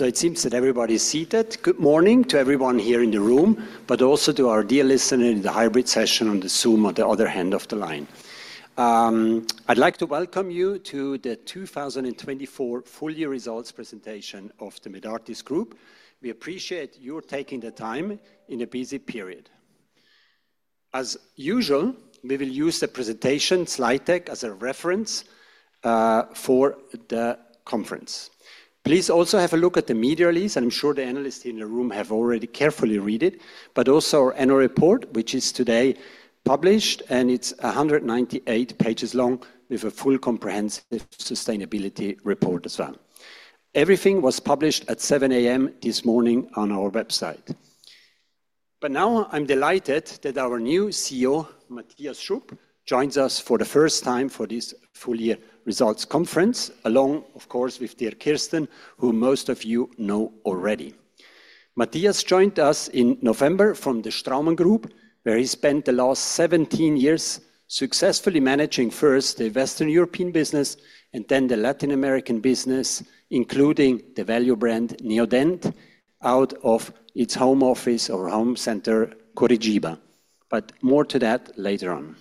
It seems that everybody is seated. Good morning to everyone here in the room, but also to our dear listeners in the hybrid session on the Zoom on the other end of the line. I'd like to welcome you to the 2024 full-year results presentation of the Medartis Group. We appreciate your taking the time in a busy period. As usual, we will use the presentation slide deck as a reference for the conference. Please also have a look at the media release. I'm sure the analysts in the room have already carefully read it, but also our annual report, which is today published, and it's 198 pages long with a full comprehensive sustainability report as well. Everything was published at 7:00 A.M. this morning on our website. Now I'm delighted that our new CEO, Matthias Schupp, joins us for the first time for this full-year results conference, along, of course, with Dirk Kirsten, who most of you know already. Matthias joined us in November from the Straumann Group, where he spent the last 17 years successfully managing first the Western European business and then the Latin American business, including the value brand Neodent out of its home office or home center, Curitiba. More to that later on.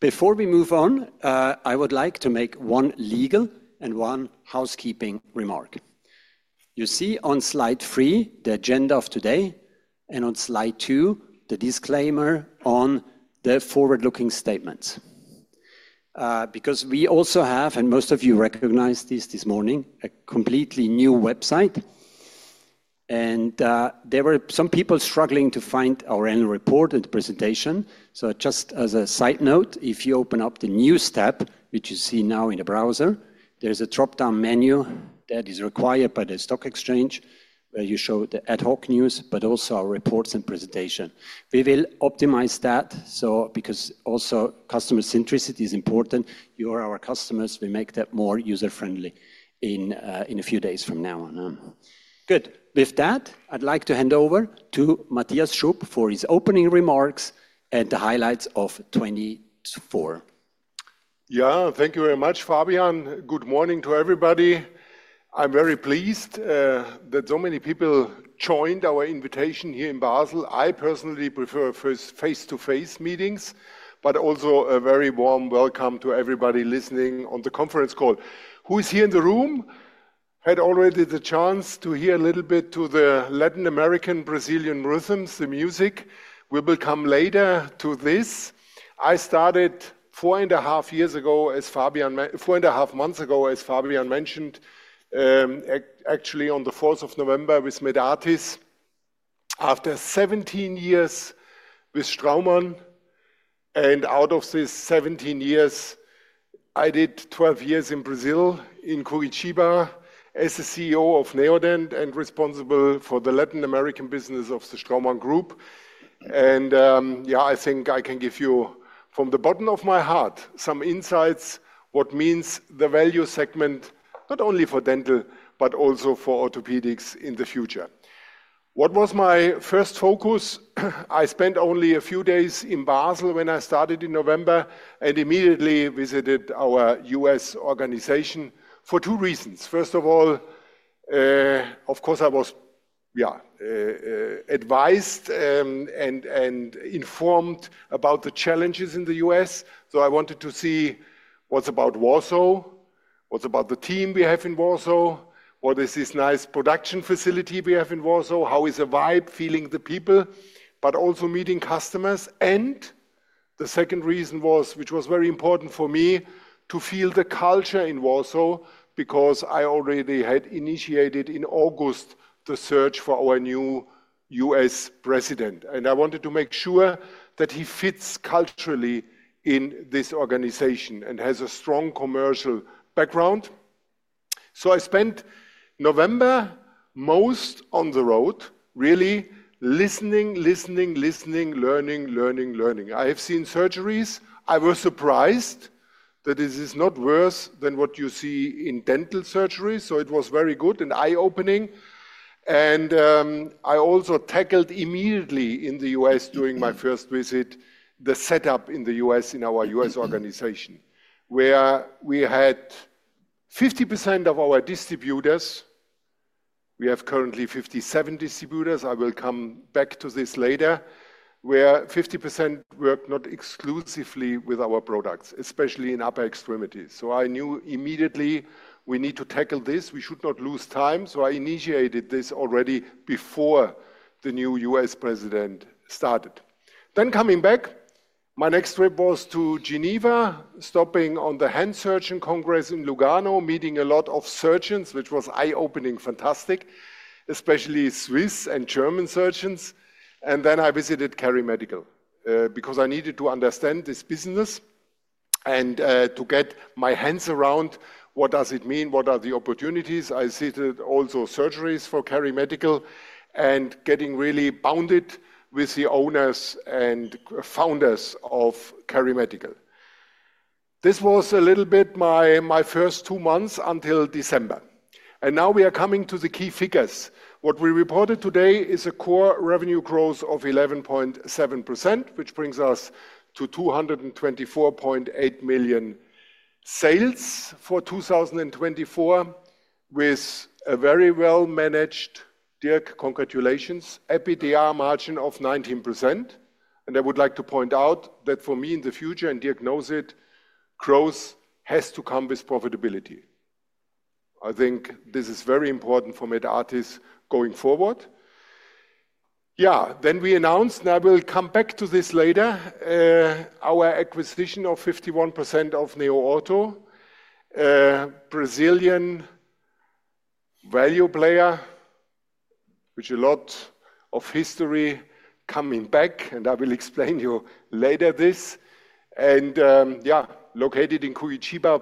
Before we move on, I would like to make one legal and one housekeeping remark. You see on slide three the agenda of today, and on slide two, the disclaimer on the forward-looking statements. We also have, and most of you recognized this this morning, a completely new website. There were some people struggling to find our annual report and the presentation. Just as a side note, if you open up the news tab, which you see now in the browser, there is a drop-down menu that is required by the stock exchange where you show the ad hoc news, but also our reports and presentation. We will optimize that because also customer centricity is important. You are our customers. We will make that more user-friendly in a few days from now on. Good. With that, I would like to hand over to Matthias Schupp for his opening remarks and the highlights of 2024. Yeah, thank you very much, Fabian. Good morning to everybody. I'm very pleased that so many people joined our invitation here in Basel. I personally prefer face-to-face meetings, but also a very warm welcome to everybody listening on the conference call. Who is here in the room had already the chance to hear a little bit to the Latin American-Brazilian rhythms, the music. We will come later to this. I started four and a half years ago as Fabian, four and a half months ago, as Fabian mentioned, actually on the 4th of November with Medartis. After 17 years with Straumann, and out of these 17 years, I did 12 years in Brazil in Curitiba as the CEO of Neodent and responsible for the Latin American business of the Straumann Group. I think I can give you from the bottom of my heart some insights what means the value segment, not only for dental, but also for orthopedics in the future. What was my first focus? I spent only a few days in Basel when I started in November and immediately visited our U.S. organization for two reasons. First of all, of course, I was advised and informed about the challenges in the U.S. I wanted to see what's about Warsaw, what's about the team we have in Warsaw, what is this nice production facility we have in Warsaw, how is the vibe, feeling the people, but also meeting customers. The second reason was, which was very important for me, to feel the culture in Warsaw because I already had initiated in August the search for our new U.S. President. I wanted to make sure that he fits culturally in this organization and has a strong commercial background. I spent November most on the road, really listening, listening, listening, learning, learning, learning. I have seen surgeries. I was surprised that this is not worse than what you see in dental surgery. It was very good and eye-opening. I also tackled immediately in the U.S. during my first visit the setup in the U.S. in our U.S. organization, where we had 50% of our distributors. We have currently 57 distributors. I will come back to this later, where 50% work not exclusively with our products, especially in upper extremities. I knew immediately we need to tackle this. We should not lose time. I initiated this already before the new U.S. President started. Coming back, my next trip was to Geneva, stopping on the Hand Surgeon Congress in Lugano, meeting a lot of surgeons, which was eye-opening, fantastic, especially Swiss and German surgeons. I visited KeriMedical because I needed to understand this business and to get my hands around what does it mean, what are the opportunities. I visited also surgeries for KeriMedical and getting really bounded with the owners and founders of KeriMedical. This was a little bit my first two months until December. Now we are coming to the key figures. What we reported today is a core revenue growth of 11.7%, which brings us to 224.8 million sales for 2024 with a very well-managed, Dirk, congratulations, EBITDA margin of 19%. I would like to point out that for me in the future, and Dirk knows it, growth has to come with profitability. I think this is very important for Medartis going forward. Yeah, then we announced, and I will come back to this later, our acquisition of 51% of NeoOrtho, a Brazilian value player, which is a lot of history coming back, and I will explain to you later this. Yeah, located in Curitiba,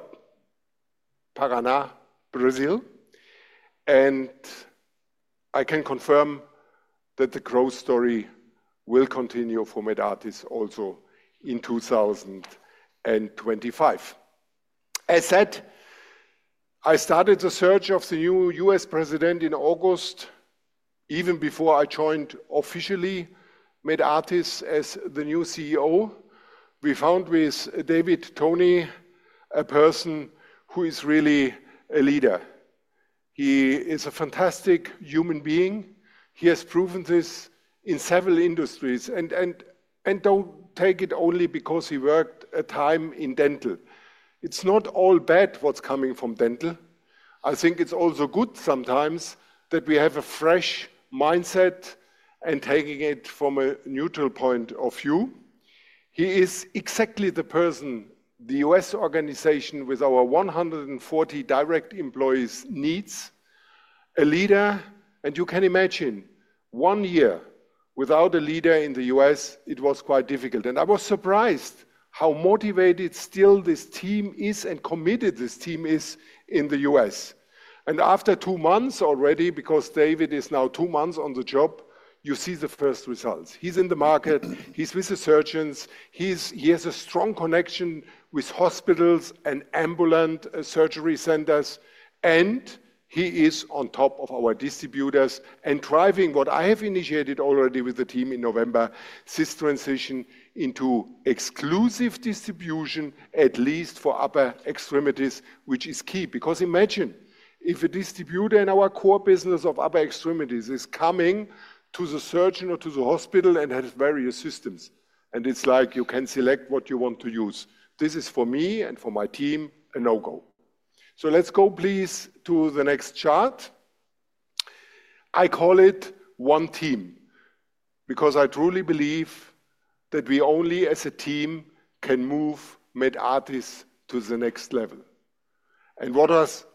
Paraná, Brazil. I can confirm that the growth story will continue for Medartis also in 2025. As said, I started the search of the new U.S. President in August, even before I joined officially Medartis as the new CEO. We found with David Thoni a person who is really a leader. He is a fantastic human being. He has proven this in several industries. Do not take it only because he worked a time in dental. It's not all bad what's coming from dental. I think it's also good sometimes that we have a fresh mindset and taking it from a neutral point of view. He is exactly the person the U.S. organization with our 140 direct employees needs, a leader. You can imagine one year without a leader in the U.S., it was quite difficult. I was surprised how motivated still this team is and committed this team is in the U.S. After two months already, because David is now two months on the job, you see the first results. He's in the market. He's with the surgeons. He has a strong connection with hospitals and ambulant surgery centers. He is on top of our distributors and driving what I have initiated already with the team in November, this transition into exclusive distribution, at least for upper extremities, which is key. Because imagine if a distributor in our core business of upper extremities is coming to the surgeon or to the hospital and has various systems. It is like you can select what you want to use. This is for me and for my team a no-go. Please go to the next chart. I call it one team because I truly believe that we only as a team can move Medartis to the next level. What has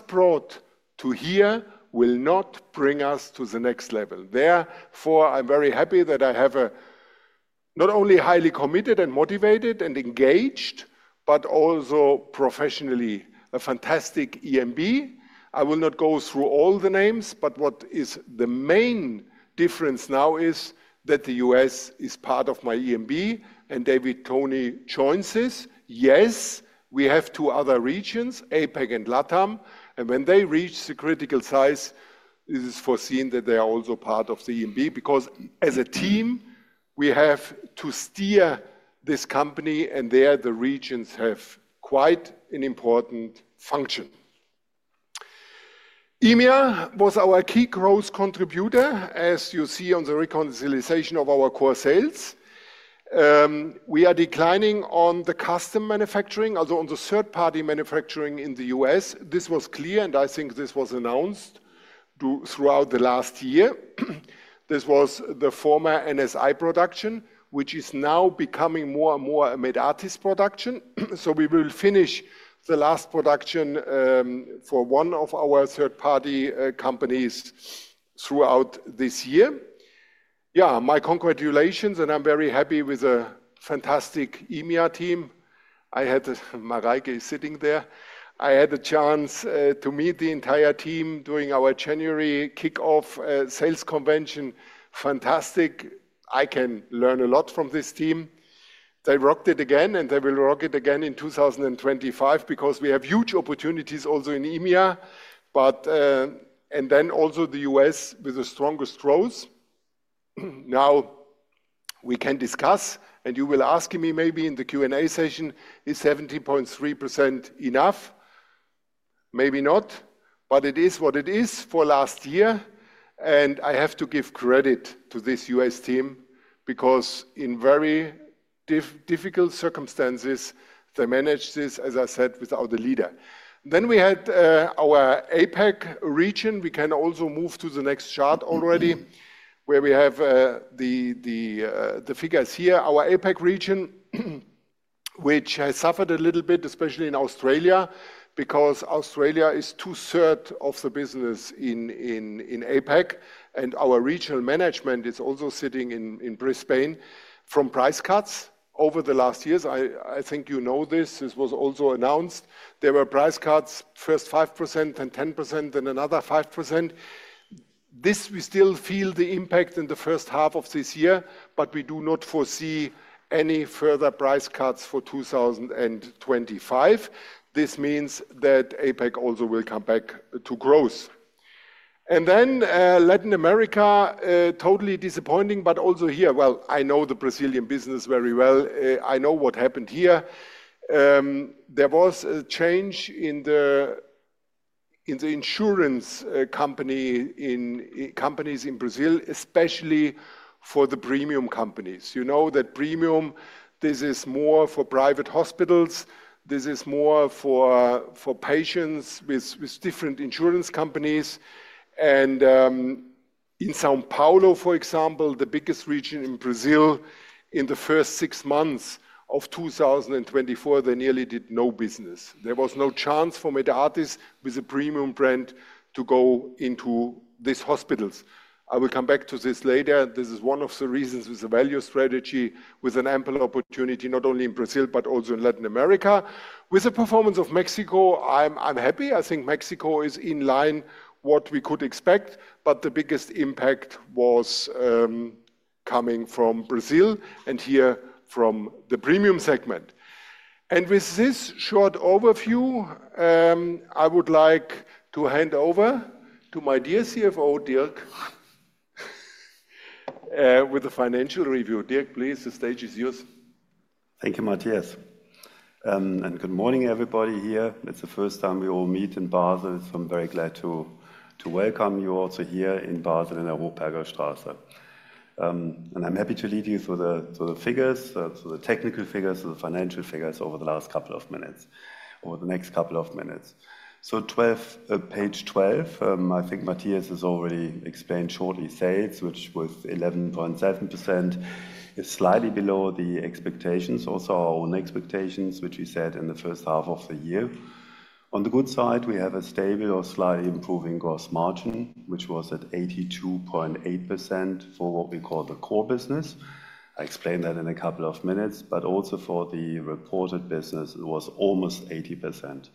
brought us to here will not bring us to the next level. Therefore, I am very happy that I have not only highly committed and motivated and engaged, but also professionally a fantastic EMB. I will not go through all the names, but what is the main difference now is that the U.S. is part of my EMB and David Thoni joins this. Yes, we have two other regions, APAC and LATAM. When they reach the critical size, it is foreseen that they are also part of the EMB because as a team, we have to steer this company and there the regions have quite an important function. EMEA was our key growth contributor, as you see on the reconciliation of our core sales. We are declining on the custom manufacturing, also on the third-party manufacturing in the U.S. This was clear, and I think this was announced throughout the last year. This was the former NSI production, which is now becoming more and more a Medartis production. We will finish the last production for one of our third-party companies throughout this year. My congratulations, and I'm very happy with a fantastic EMEA team. I had Mareike sitting there. I had a chance to meet the entire team during our January kickoff sales convention. Fantastic. I can learn a lot from this team. They rocked it again, and they will rock it again in 2025 because we have huge opportunities also in EMEA. You will ask me maybe in the Q&A session, is 17.3% enough? Maybe not, but it is what it is for last year. I have to give credit to this U.S. team because in very difficult circumstances, they managed this, as I said, without a leader. We had our APAC region. We can also move to the next chart already, where we have the figures here. Our APAC region, which has suffered a little bit, especially in Australia, because Australia is too certain of the business in APAC. Our regional management is also sitting in Brisbane from price cuts over the last years. I think you know this. This was also announced. There were price cuts, first 5%, then 10%, then another 5%. This we still feel the impact in the first half of this year, but we do not foresee any further price cuts for 2025. This means that APAC also will come back to growth. Latin America, totally disappointing, but also here. I know the Brazilian business very well. I know what happened here. There was a change in the insurance companies in Brazil, especially for the premium companies. You know that premium, this is more for private hospitals. This is more for patients with different insurance companies. In São Paulo, for example, the biggest region in Brazil, in the first six months of 2024, they nearly did no business. There was no chance for Medartis with a premium brand to go into these hospitals. I will come back to this later. This is one of the reasons with the value strategy, with an ample opportunity not only in Brazil, but also in Latin America. With the performance of Mexico, I'm happy. I think Mexico is in line what we could expect, but the biggest impact was coming from Brazil and here from the premium segment. With this short overview, I would like to hand over to my dear CFO, Dirk, with the financial review. Dirk, please, the stage is yours. Thank you, Matthias. Good morning, everybody here. It's the first time we all meet in Basel. I am very glad to welcome you also here in Basel and I hope I got a stressor. I am happy to lead you through the figures, through the technical figures, through the financial figures over the last couple of minutes, over the next couple of minutes. Page 12, I think Matthias has already explained shortly sales, which was 11.7%, is slightly below the expectations, also our own expectations, which we said in the first half of the year. On the good side, we have a stable or slightly improving gross margin, which was at 82.8% for what we call the core business. I explain that in a couple of minutes, but also for the reported business, it was almost 80%.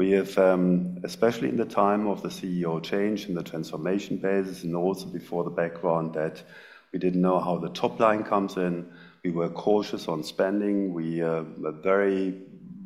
We have, especially in the time of the CEO change and the transformation phase, and also before the background that we did not know how the top line comes in. We were cautious on spending. We were very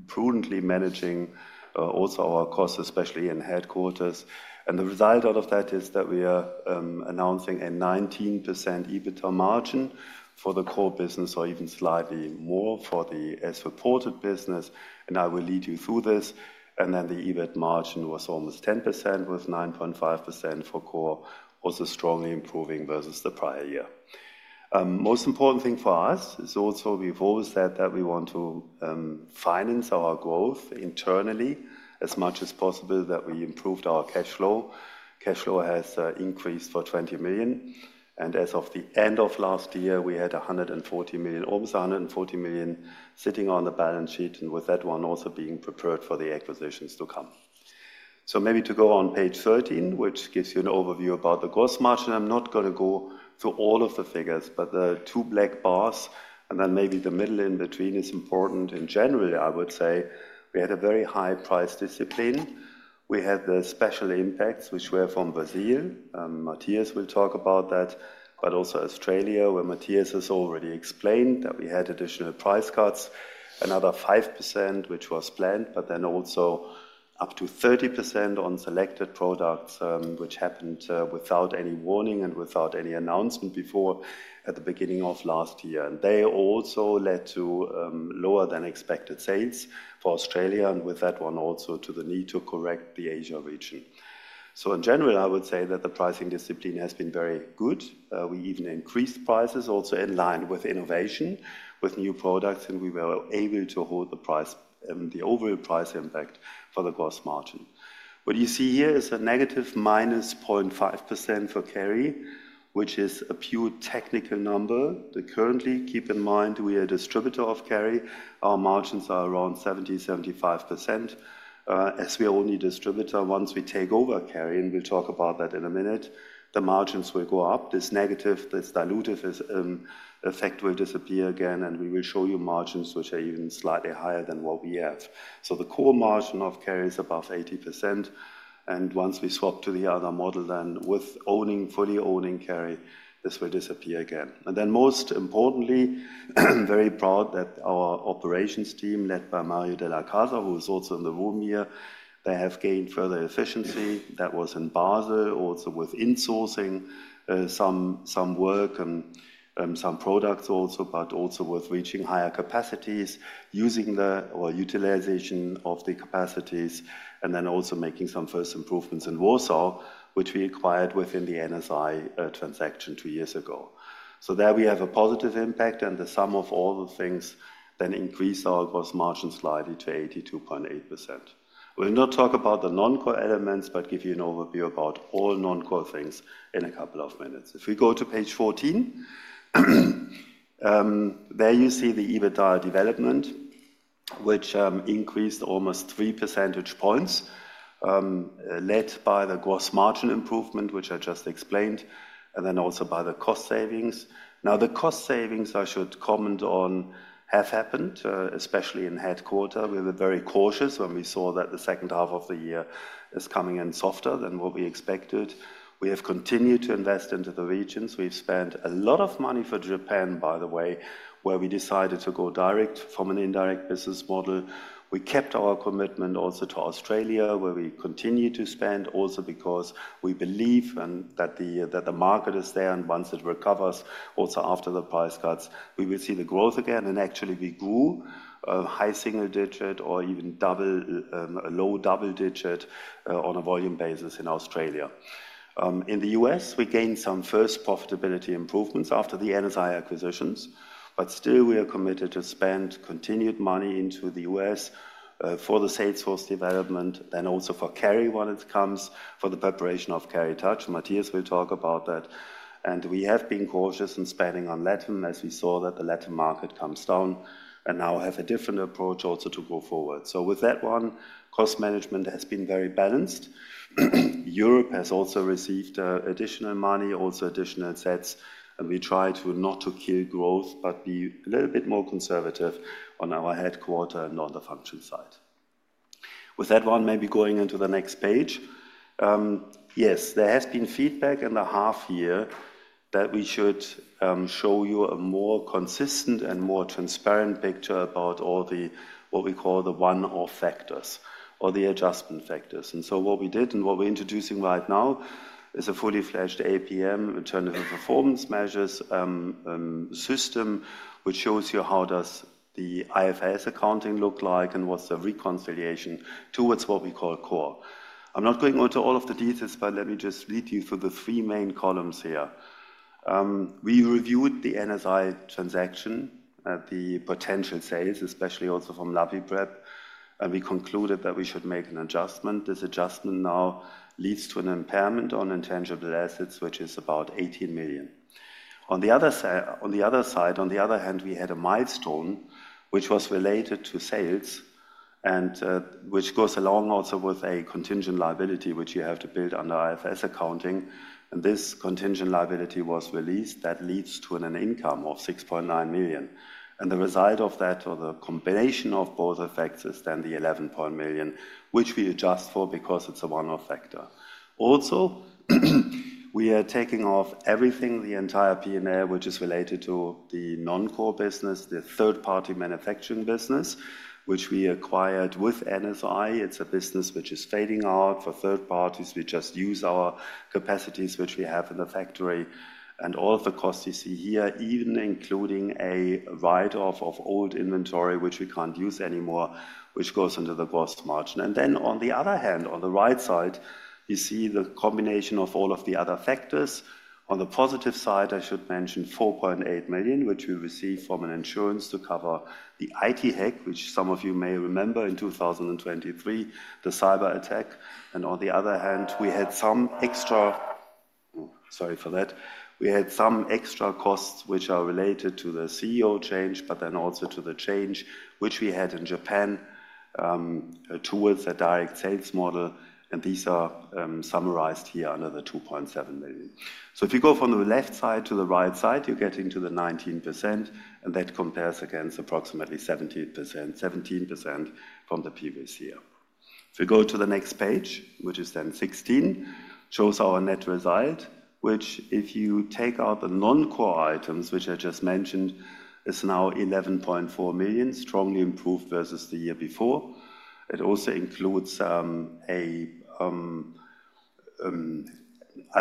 prudently managing also our costs, especially in headquarters. The result out of that is that we are announcing a 19% EBITDA margin for the core business or even slightly more for the as reported business. I will lead you through this. The EBIT margin was almost 10% with 9.5% for core, also strongly improving versus the prior year. Most important thing for us is also we've always said that we want to finance our growth internally as much as possible, that we improved our cash flow. Cash flow has increased for 20 million. As of the end of last year, we had 140 million, almost 140 million sitting on the balance sheet and with that one also being prepared for the acquisitions to come. Maybe to go on page 13, which gives you an overview about the gross margin. I'm not going to go through all of the figures, but the two black bars and then maybe the middle in between is important in general, I would say. We had a very high price discipline. We had the special impacts, which were from Brazil. Matthias will talk about that, but also Australia, where Matthias has already explained that we had additional price cuts, another 5%, which was planned, but then also up to 30% on selected products, which happened without any warning and without any announcement before at the beginning of last year. They also led to lower than expected sales for Australia and with that one also to the need to correct the Asia region. In general, I would say that the pricing discipline has been very good. We even increased prices also in line with innovation, with new products, and we were able to hold the price, the overall price impact for the gross margin. What you see here is a negative -0.5% for Keri, which is a pure technical number. Currently, keep in mind, we are a distributor of Keri. Our margins are around 70-75%. As we are only a distributor, once we take over Keri, and we'll talk about that in a minute, the margins will go up. This negative, this dilutive effect will disappear again, and we will show you margins which are even slightly higher than what we have. The core margin of Keri is above 80%. Once we swap to the other model, then with owning, fully owning Keri, this will disappear again. Most importantly, very proud that our operations team led by Mario Della Casa, who is also in the room here, they have gained further efficiency. That was in Basel, also with insourcing some work and some products also, but also with reaching higher capacities, using the or utilization of the capacities, and then also making some first improvements in Warsaw, which we acquired within the NSI transaction two years ago. There we have a positive impact, and the sum of all the things then increased our gross margin slightly to 82.8%. We'll not talk about the non-core elements, but give you an overview about all non-core things in a couple of minutes. If we go to page 14, there you see the EBITDA development, which increased almost three percentage points, led by the gross margin improvement, which I just explained, and then also by the cost savings. Now, the cost savings I should comment on have happened, especially in headquarter. We were very cautious when we saw that the second half of the year is coming in softer than what we expected. We have continued to invest into the regions. We've spent a lot of money for Japan, by the way, where we decided to go direct from an indirect business model. We kept our commitment also to Australia, where we continue to spend also because we believe that the market is there, and once it recovers, also after the price cuts, we will see the growth again. Actually, we grew a high single digit or even low double digit on a volume basis in Australia. In the U.S., we gained some first profitability improvements after the NSI acquisitions, but still we are committed to spend continued money into the U.S. for the sales force development, then also for Keri when it comes for the preparation of KeriTouch. Matthias will talk about that. We have been cautious in spending on Latin, as we saw that the Latin market comes down and now have a different approach also to go forward. With that one, cost management has been very balanced. Europe has also received additional money, also additional sets, and we try not to kill growth, but be a little bit more conservative on our headquarter and on the function side. With that one, maybe going into the next page. Yes, there has been feedback in the half year that we should show you a more consistent and more transparent picture about all the what we call the one-off factors or the adjustment factors. What we did and what we're introducing right now is a fully fledged APM, Return of Performance Measures system, which shows you how does the IFRS accounting look like and what's the reconciliation towards what we call core. I'm not going into all of the details, but let me just lead you through the three main columns here. We reviewed the NSI transaction, the potential sales, especially also from LapiPrep, and we concluded that we should make an adjustment. This adjustment now leads to an impairment on intangible assets, which is about 18 million. On the other side, on the other hand, we had a milestone which was related to sales, which goes along also with a contingent liability, which you have to build under IFRS accounting. This contingent liability was released that leads to an income of 6.9 million. The result of that, or the combination of both effects, is then the 11.9 million, which we adjust for because it's a one-off factor. Also, we are taking off everything, the entire P&L, which is related to the non-core business, the third-party manufacturing business, which we acquired with NSI. It's a business which is fading out for third parties. We just use our capacities, which we have in the factory, and all of the costs you see here, even including a write-off of old inventory, which we can't use anymore, which goes under the gross margin. On the other hand, on the right side, you see the combination of all of the other factors. On the positive side, I should mention 4.8 million, which we received from an insurance to cover the IT hack, which some of you may remember in 2023, the cyber attack. On the other hand, we had some extra—sorry for that. We had some extra costs which are related to the CEO change, but then also to the change which we had in Japan towards a direct sales model. These are summarized here under the 2.7 million. If you go from the left side to the right side, you get into the 19%, and that compares against approximately 17% from the previous year. If we go to the next page, which is then 16, shows our net result, which if you take out the non-core items, which I just mentioned, is now 11.4 million, strongly improved versus the year before. It also includes a—I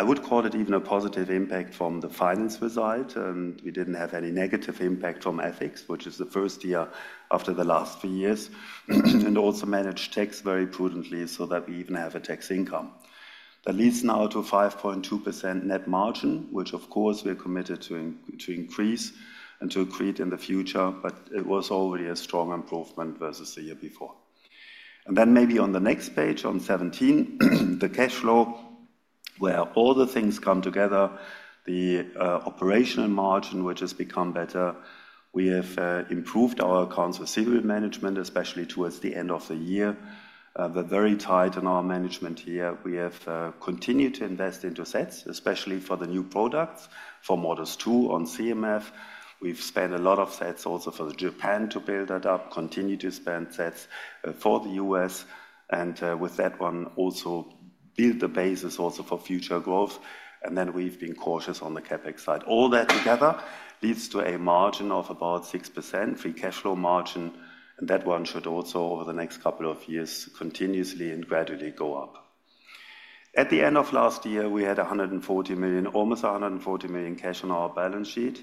would call it even a positive impact from the finance result. We did not have any negative impact from ethics, which is the first year after the last few years, and also managed tax very prudently so that we even have a tax income. That leads now to a 5.2% net margin, which of course we are committed to increase and to create in the future, but it was already a strong improvement versus the year before. Maybe on the next page, on 17, the cash flow, where all the things come together, the operational margin, which has become better. We have improved our accounts with serial management, especially towards the end of the year. We're very tight in our management here. We have continued to invest into sets, especially for the new products for MODUS 2 on CMF. We've spent a lot of sets also for Japan to build that up, continue to spend sets for the U.S., and with that one, also build the basis also for future growth. We have been cautious on the CapEx side. All that together leads to a margin of about 6% free cash flow margin, and that one should also over the next couple of years continuously and gradually go up. At the end of last year, we had 140 million, almost 140 million cash on our balance sheet.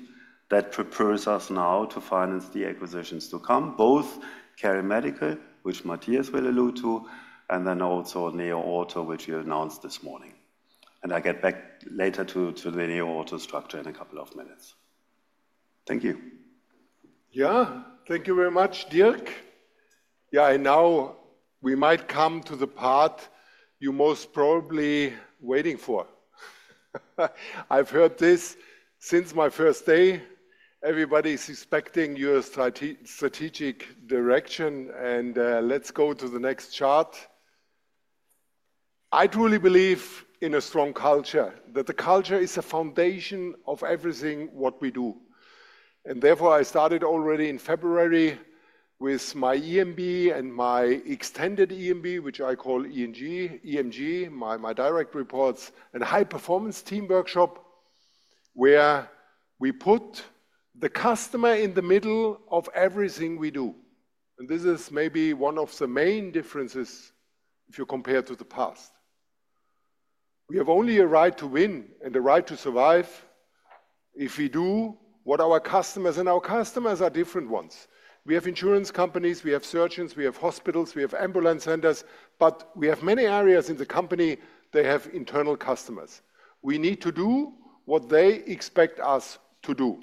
That prepares us now to finance the acquisitions to come, both KeriMedical, which Matthias will allude to, and then also NeoOrtho, which we announced this morning. I get back later to the NeoOrtho structure in a couple of minutes. Thank you. Yeah, thank you very much, Dirk. Yeah, now we might come to the part you most probably are waiting for. I've heard this since my first day. Everybody is expecting your strategic direction, let's go to the next chart. I truly believe in a strong culture, that the culture is a foundation of everything what we do. Therefore, I started already in February with my EMB and my extended EMB, which I call EMG, EMG, my direct reports, and high performance team workshop, where we put the customer in the middle of everything we do. This is maybe one of the main differences if you compare to the past. We have only a right to win and a right to survive. If we do what our customers, and our customers are different ones. We have insurance companies, we have surgeons, we have hospitals, we have ambulance centers, but we have many areas in the company. They have internal customers. We need to do what they expect us to do.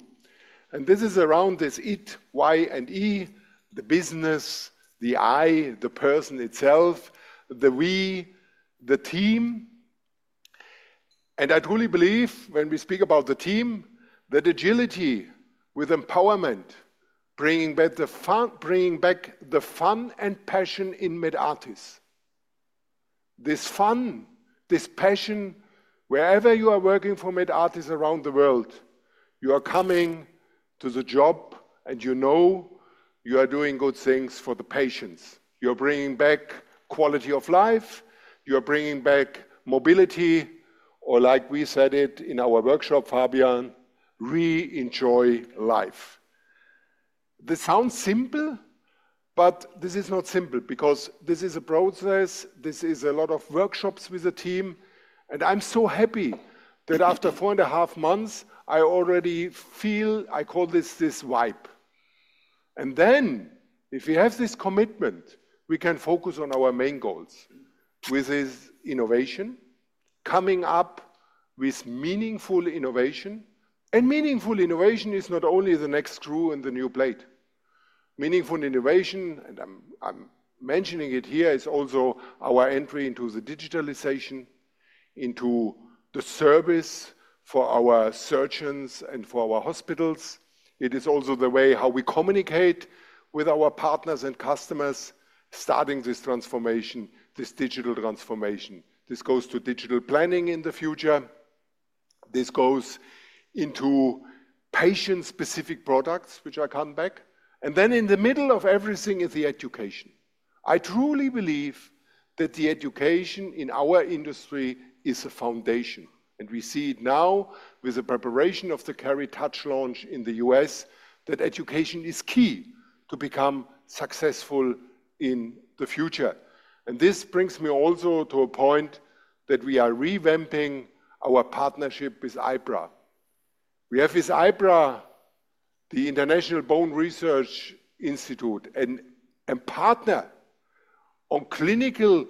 This is around this it, y, and e, the business, the I, the person itself, the we, the team. I truly believe when we speak about the team, that agility with empowerment, bringing back the fun and passion in Medartis. This fun, this passion, wherever you are working for Medartis around the world, you are coming to the job and you know you are doing good things for the patients. You're bringing back quality of life. You're bringing back mobility, or like we said it in our workshop, Fabian, re-enjoy life. This sounds simple, but this is not simple because this is a process. This is a lot of workshops with a team. I'm so happy that after four and a half months, I already feel, I call this this vibe. If we have this commitment, we can focus on our main goals with this innovation, coming up with meaningful innovation. Meaningful innovation is not only the next screw in the new plate. Meaningful innovation, and I'm mentioning it here, is also our entry into the digitalization, into the service for our surgeons and for our hospitals. It is also the way how we communicate with our partners and customers, starting this transformation, this digital transformation. This goes to digital planning in the future. This goes into patient-specific products, which I come back. In the middle of everything is the education. I truly believe that the education in our industry is a foundation. We see it now with the preparation of the KeriTouch launch in the U.S., that education is key to become successful in the future. This brings me also to a point that we are revamping our partnership with IBRA. We have with IBRA, the International Bone Research Association, a partner on clinical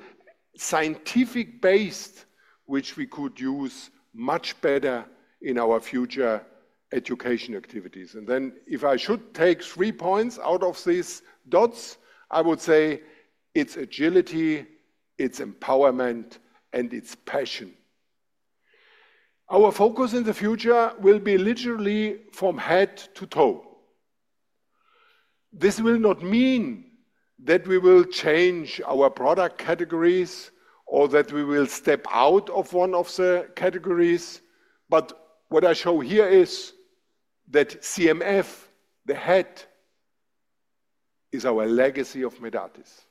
scientific-based, which we could use much better in our future education activities. If I should take three points out of these dots, I would say it is agility, it is empowerment, and it is passion. Our focus in the future will be literally from head to toe. This will not mean that we will change our product categories or that we will step out of one of the categories. What I show here is that CMF, the head, is our legacy of Medartis.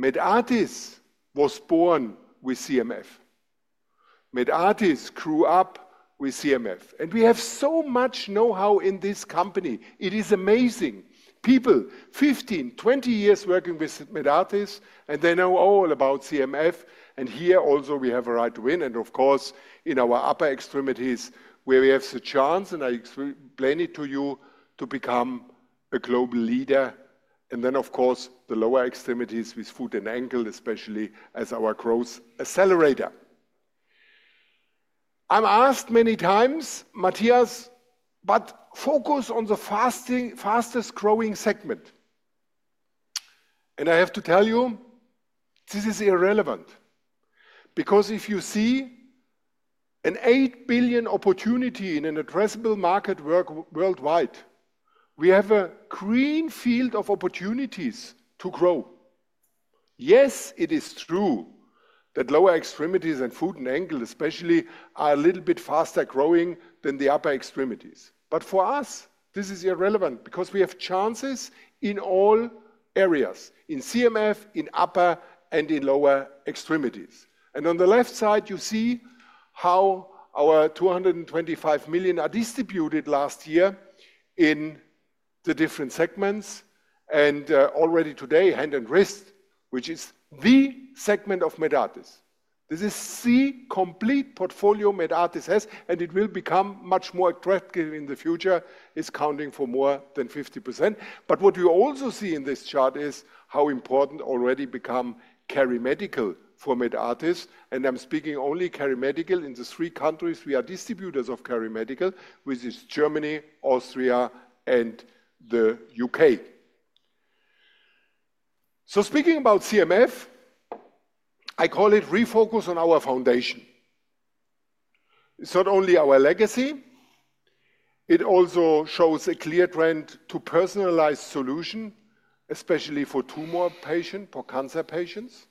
Medartis was born with CMF. Medartis grew up with CMF. We have so much know-how in this company. It is amazing. People, 15, 20 years working with Medartis, and they know all about CMF. Here also we have a right to win. Of course, in our upper extremities, where we have the chance, and I explain it to you, to become a global leader. Of course, the lower extremities with foot and ankle, especially as our growth accelerator. I'm asked many times, Matthias, but focus on the fastest growing segment. I have to tell you, this is irrelevant. Because if you see an 8 billion opportunity in an addressable market worldwide, we have a green field of opportunities to grow. Yes, it is true that lower extremities and foot and ankle, especially, are a little bit faster growing than the upper extremities. For us, this is irrelevant because we have chances in all areas, in CMF, in upper, and in lower extremities. On the left side, you see how our 225 million are distributed last year in the different segments. Already today, hand and wrist, which is the segment of Medartis. This is the complete portfolio Medartis has, and it will become much more attractive in the future, is counting for more than 50%. What you also see in this chart is how important already become KeriMedical for Medartis. I am speaking only KeriMedical in the three countries where we are distributors of KeriMedical, which is Germany, Austria, and the U.K. Speaking about CMF, I call it refocus on our foundation. It is not only our legacy. It also shows a clear trend to personalized solution, especially for tumor patients, for cancer patients.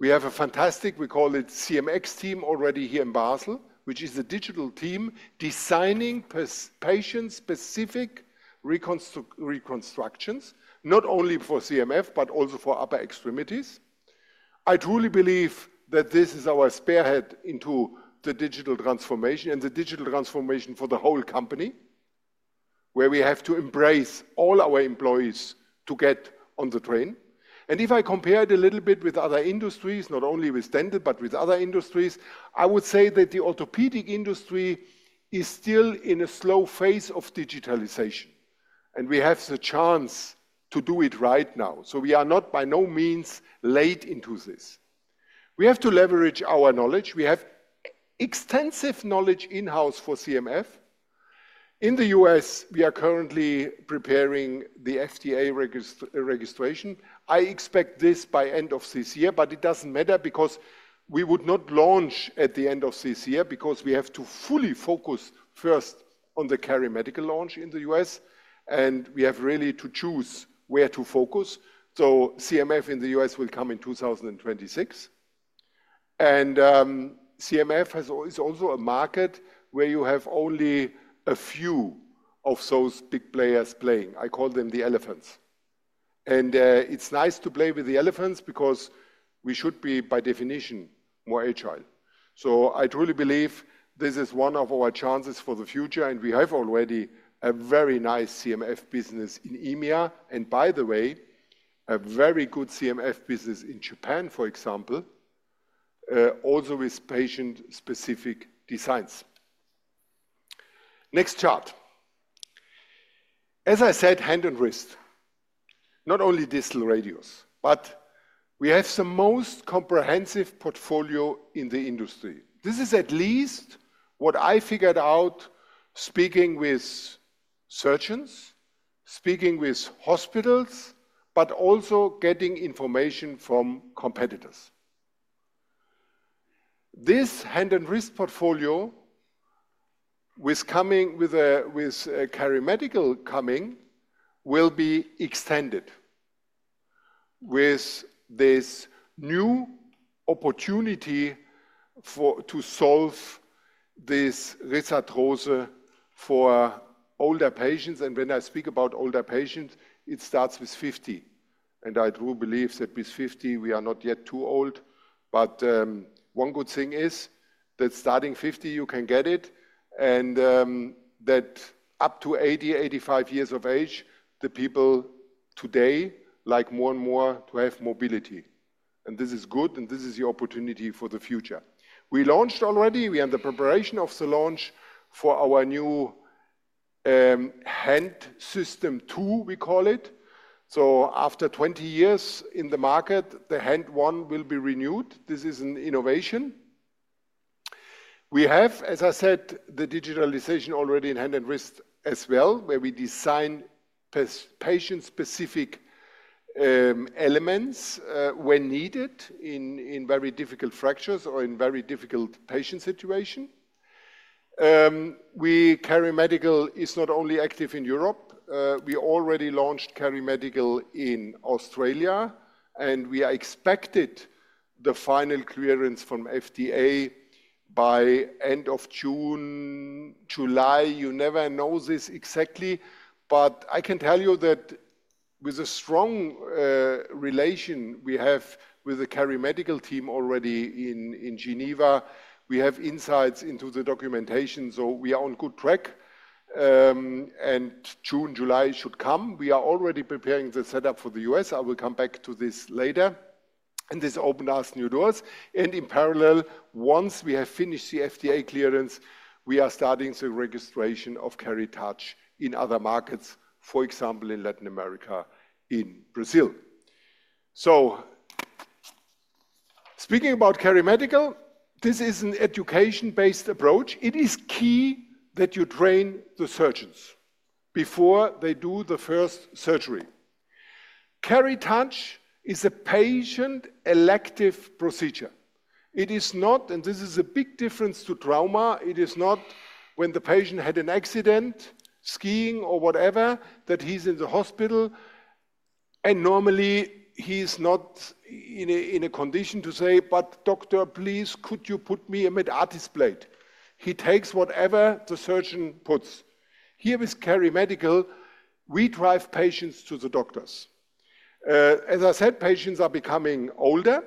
We have a fantastic, we call it CMX team already here in Basel, which is a digital team designing patient-specific reconstructions, not only for CMF, but also for upper extremities. I truly believe that this is our spearhead into the digital transformation and the digital transformation for the whole company, where we have to embrace all our employees to get on the train. If I compare it a little bit with other industries, not only with dental, but with other industries, I would say that the orthopedic industry is still in a slow phase of digitalization. We have the chance to do it right now. We are not by no means late into this. We have to leverage our knowledge. We have extensive knowledge in-house for CMF. In the U.S., we are currently preparing the FDA registration. I expect this by end of this year, but it doesn't matter because we would not launch at the end of this year because we have to fully focus first on the KeriMedical launch in the U.S., and we have really to choose where to focus. CMF in the U.S. will come in 2026. CMF is also a market where you have only a few of those big players playing. I call them the elephants. It is nice to play with the elephants because we should be by definition more agile. I truly believe this is one of our chances for the future, and we have already a very nice CMF business in EMEA. By the way, a very good CMF business in Japan, for example, also with patient-specific designs. Next chart. As I said, hand and wrist, not only distal radius, but we have the most comprehensive portfolio in the industry. This is at least what I figured out speaking with surgeons, speaking with hospitals, but also getting information from competitors. This hand and wrist portfolio with KeriMedical coming will be extended with this new opportunity to solve this risk at rose for older patients. When I speak about older patients, it starts with 50. I truly believe that with 50, we are not yet too old. One good thing is that starting 50, you can get it. Up to 80-85 years of age, people today like more and more to have mobility. This is good, and this is the opportunity for the future. We launched already. We are in the preparation of the launch for our new hand system two, we call it. After 20 years in the market, the Hand 1 will be renewed. This is an innovation. We have, as I said, the digitalization already in hand and wrist as well, where we design patient-specific elements when needed in very difficult fractures or in very difficult patient situations. KeriMedical is not only active in Europe. We already launched KeriMedical in Australia, and we are expected the final clearance from FDA by end of June, July. You never know this exactly, but I can tell you that with a strong relation we have with the KeriMedical team already in Geneva, we have insights into the documentation. We are on good track. June, July should come. We are already preparing the setup for the U.S. I will come back to this later. This opened us new doors. In parallel, once we have finished the FDA clearance, we are starting the registration of KeriTouch in other markets, for example, in Latin America, in Brazil. Speaking about KeriMedical, this is an education-based approach. It is key that you train the surgeons before they do the first surgery. KeriTouch is a patient elective procedure. It is not, and this is a big difference to trauma. It is not when the patient had an accident, skiing or whatever, that he's in the hospital. Normally he's not in a condition to say, "But doctor, please, could you put me a Medartis plate?" He takes whatever the surgeon puts. Here with KeriMedical, we drive patients to the doctors. As I said, patients are becoming older.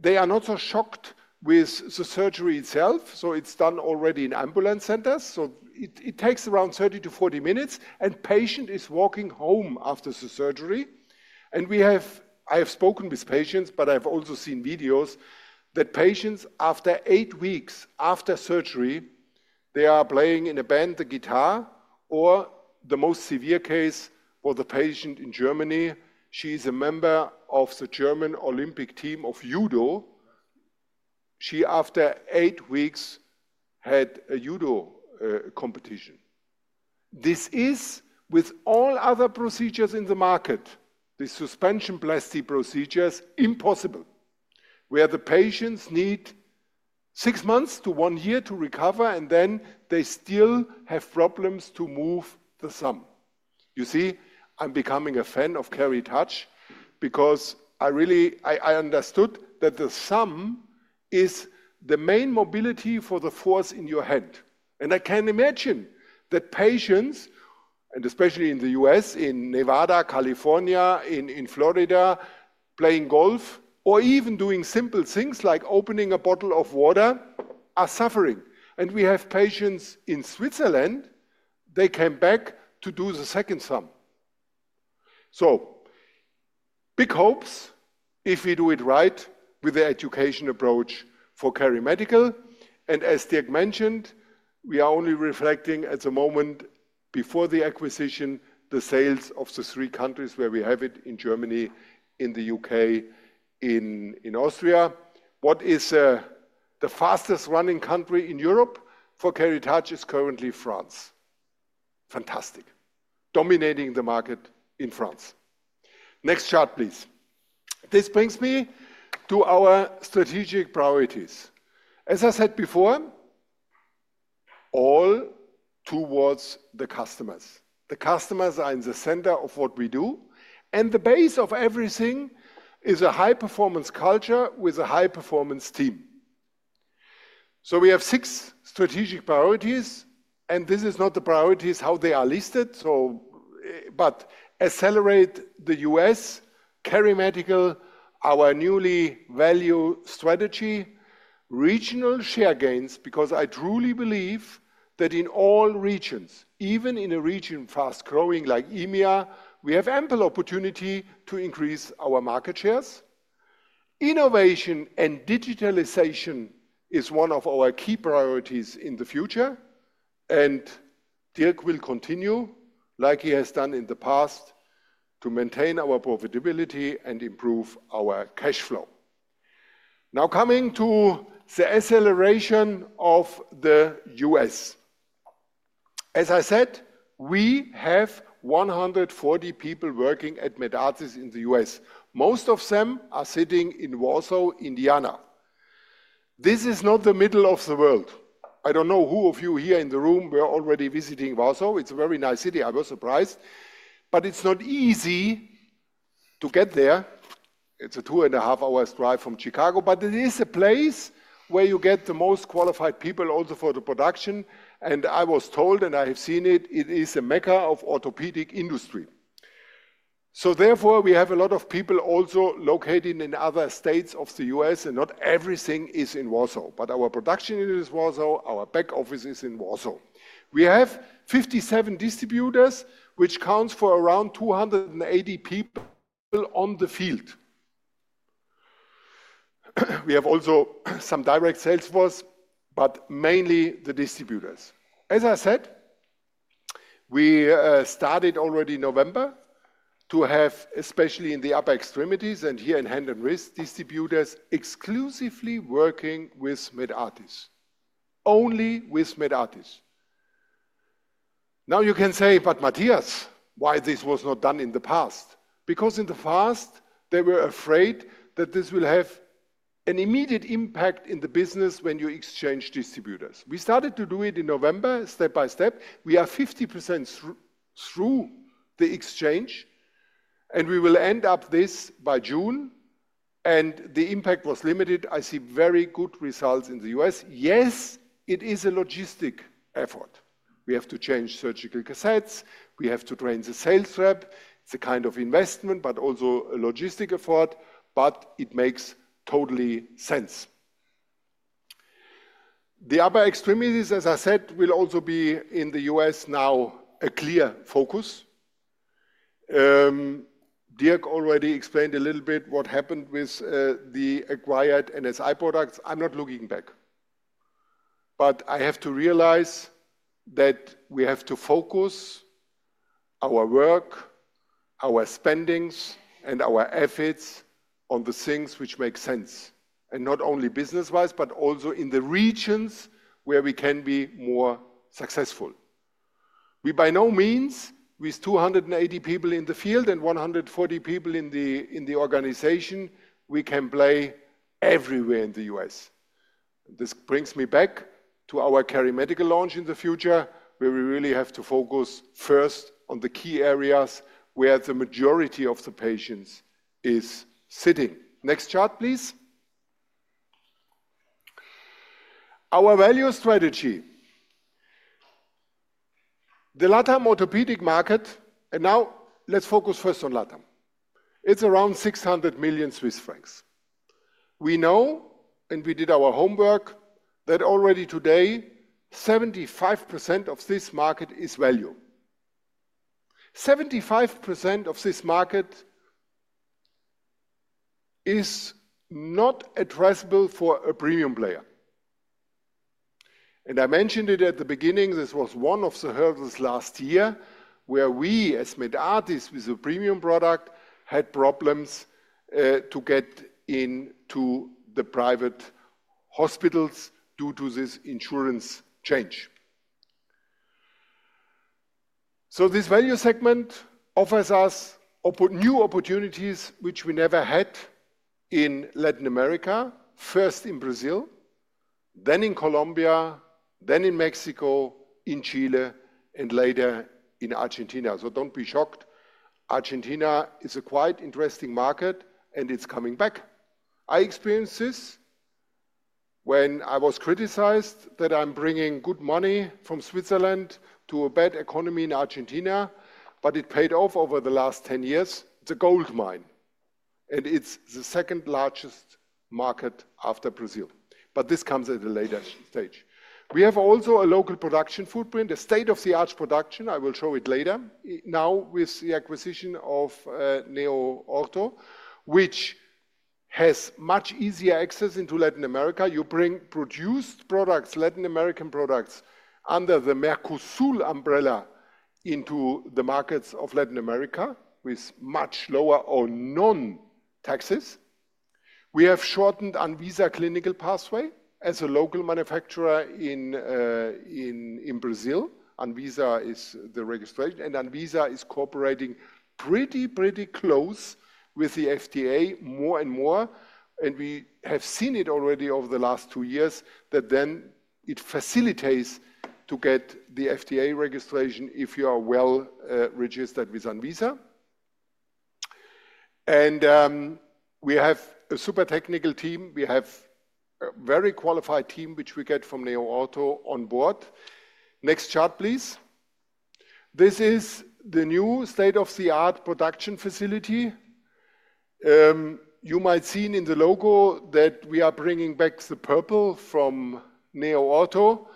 They are not so shocked with the surgery itself. It is done already in ambulance centers. It takes around 30-40 minutes, and the patient is walking home after the surgery. I have spoken with patients, but I have also seen videos that patients after eight weeks after surgery, they are playing in a band the guitar, or the most severe case for the patient in Germany, she is a member of the German Olympic team of judo. She, after eight weeks, had a judo competition. This is, with all other procedures in the market, the suspension plasty procedures, impossible, where the patients need six months to one year to recover, and then they still have problems to move the thumb. You see, I'm becoming a fan of KeriTouch because I really understood that the thumb is the main mobility for the force in your hand. I can imagine that patients, and especially in the U.S., in Nevada, California, in Florida, playing golf, or even doing simple things like opening a bottle of water, are suffering. We have patients in Switzerland. They came back to do the second thumb. Big hopes if we do it right with the education approach for KeriMedical. As Dirk mentioned, we are only reflecting at the moment before the acquisition, the sales of the three countries where we have it in Germany, in the U.K., in Austria. What is the fastest running country in Europe for KeriTouch is currently France. Fantastic. Dominating the market in France. Next chart, please. This brings me to our strategic priorities. As I said before, all towards the customers. The customers are in the center of what we do. The base of everything is a high-performance culture with a high-performance team. We have six strategic priorities, and this is not the priorities how they are listed. Accelerate the U.S., KeriMedical, our newly valued strategy, regional share gains, because I truly believe that in all regions, even in a region fast growing like EMEA, we have ample opportunity to increase our market shares. Innovation and digitalization is one of our key priorities in the future. Dirk will continue, like he has done in the past, to maintain our profitability and improve our cash flow. Now coming to the acceleration of the U.S. As I said, we have 140 people working at Medartis in the U.S. Most of them are sitting in Warsaw, Indiana. This is not the middle of the world. I do not know who of you here in the room were already visiting Warsaw. It is a very nice city. I was surprised. It is not easy to get there. It is a two and a half hours drive from Chicago. It is a place where you get the most qualified people also for the production. I was told, and I have seen it, it is a Mecca of orthopedic industry. Therefore, we have a lot of people also located in other states of the U.S., and not everything is in Warsaw. Our production unit is Warsaw. Our back office is in Warsaw. We have 57 distributors, which counts for around 280 people on the field. We have also some direct sales force, but mainly the distributors. As I said, we started already in November to have, especially in the upper extremities and here in hand and wrist, distributors exclusively working with Medartis. Only with Medartis. Now you can say, "But Matthias, why this was not done in the past?" Because in the past, they were afraid that this will have an immediate impact in the business when you exchange distributors. We started to do it in November, step by step. We are 50% through the exchange, and we will end up this by June. The impact was limited. I see very good results in the U.S. Yes, it is a logistic effort. We have to change surgical cassettes. We have to train the sales rep. It's a kind of investment, but also a logistic effort. It makes totally sense. The upper extremities, as I said, will also be in the U.S. now a clear focus. Dirk already explained a little bit what happened with the acquired NSI products. I'm not looking back. I have to realize that we have to focus our work, our spendings, and our efforts on the things which make sense. Not only business-wise, but also in the regions where we can be more successful. We by no means, with 280 people in the field and 140 people in the organization, we can play everywhere in the U.S. This brings me back to our KeriMedical launch in the future, where we really have to focus first on the key areas where the majority of the patients is sitting. Next chart, please. Our value strategy. The LATAM orthopedic market, and now let's focus first on LATAM. It's around 600 million Swiss francs. We know, and we did our homework, that already today, 75% of this market is value. 75% of this market is not addressable for a premium player. I mentioned it at the beginning. This was one of the hurdles last year, where we as Medartis with a premium product had problems to get into the private hospitals due to this insurance change. This value segment offers us new opportunities, which we never had in Latin America. First in Brazil, then in Colombia, then in Mexico, in Chile, and later in Argentina. Do not be shocked. Argentina is a quite interesting market, and it is coming back. I experienced this when I was criticized that I am bringing good money from Switzerland to a bad economy in Argentina, but it paid off over the last 10 years. It is a gold mine, and it is the second largest market after Brazil. This comes at a later stage. We have also a local production footprint, a state-of-the-art production. I will show it later. Now with the acquisition of NeoOrtho, which has much easier access into Latin America, you bring produced products, Latin American products under the Mercosur umbrella into the markets of Latin America with much lower or non-taxes. We have shortened ANVISA clinical pathway as a local manufacturer in Brazil. ANVISA is the registration, and ANVISA is cooperating pretty, pretty close with the FDA more and more. We have seen it already over the last two years that then it facilitates to get the FDA registration if you are well registered with ANVISA. We have a super technical team. We have a very qualified team, which we get from NeoOrtho on board. Next chart, please. This is the new state-of-the-art production facility. You might see in the logo that we are bringing back the purple from NeoOrtho.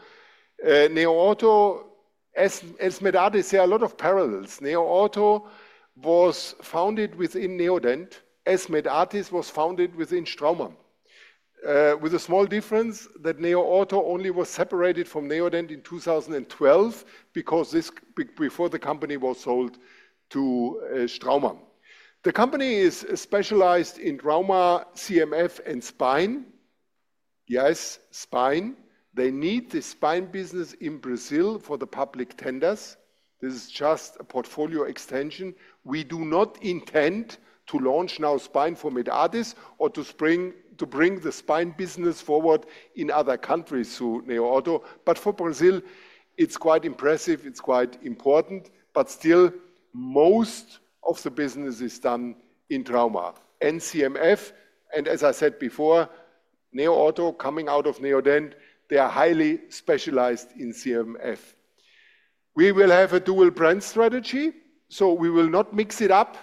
NeoOrtho, as Medartis, there are a lot of parallels. NeoOrtho was founded within Neodent. As Medartis was founded within Straumann, with a small difference that NeoOrtho only was separated from Neodent in 2012 because this was before the company was sold to Straumann. The company is specialized in trauma, CMF, and spine. Yes, spine. They need the spine business in Brazil for the public tenders. This is just a portfolio extension. We do not intend to launch now spine for Medartis or to bring the spine business forward in other countries to NeoOrtho. For Brazil, it is quite impressive. It is quite important. Still, most of the business is done in trauma and CMF, and as I said before, NeoOrtho coming out of Neodent, they are highly specialized in CMF. We will have a dual brand strategy. We will not mix it up.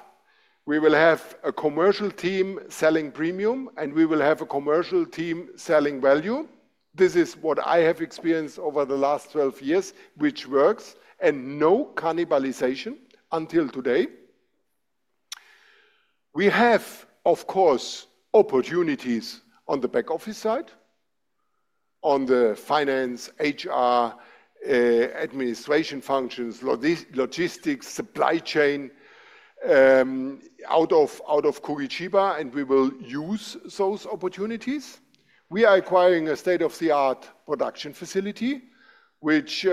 We will have a commercial team selling premium, and we will have a commercial team selling value. This is what I have experienced over the last 12 years, which works. No cannibalization until today. We have, of course, opportunities on the back office side, on the finance, HR, administration functions, logistics, supply chain out of Curitiba, and we will use those opportunities. We are acquiring a state-of-the-art production facility, which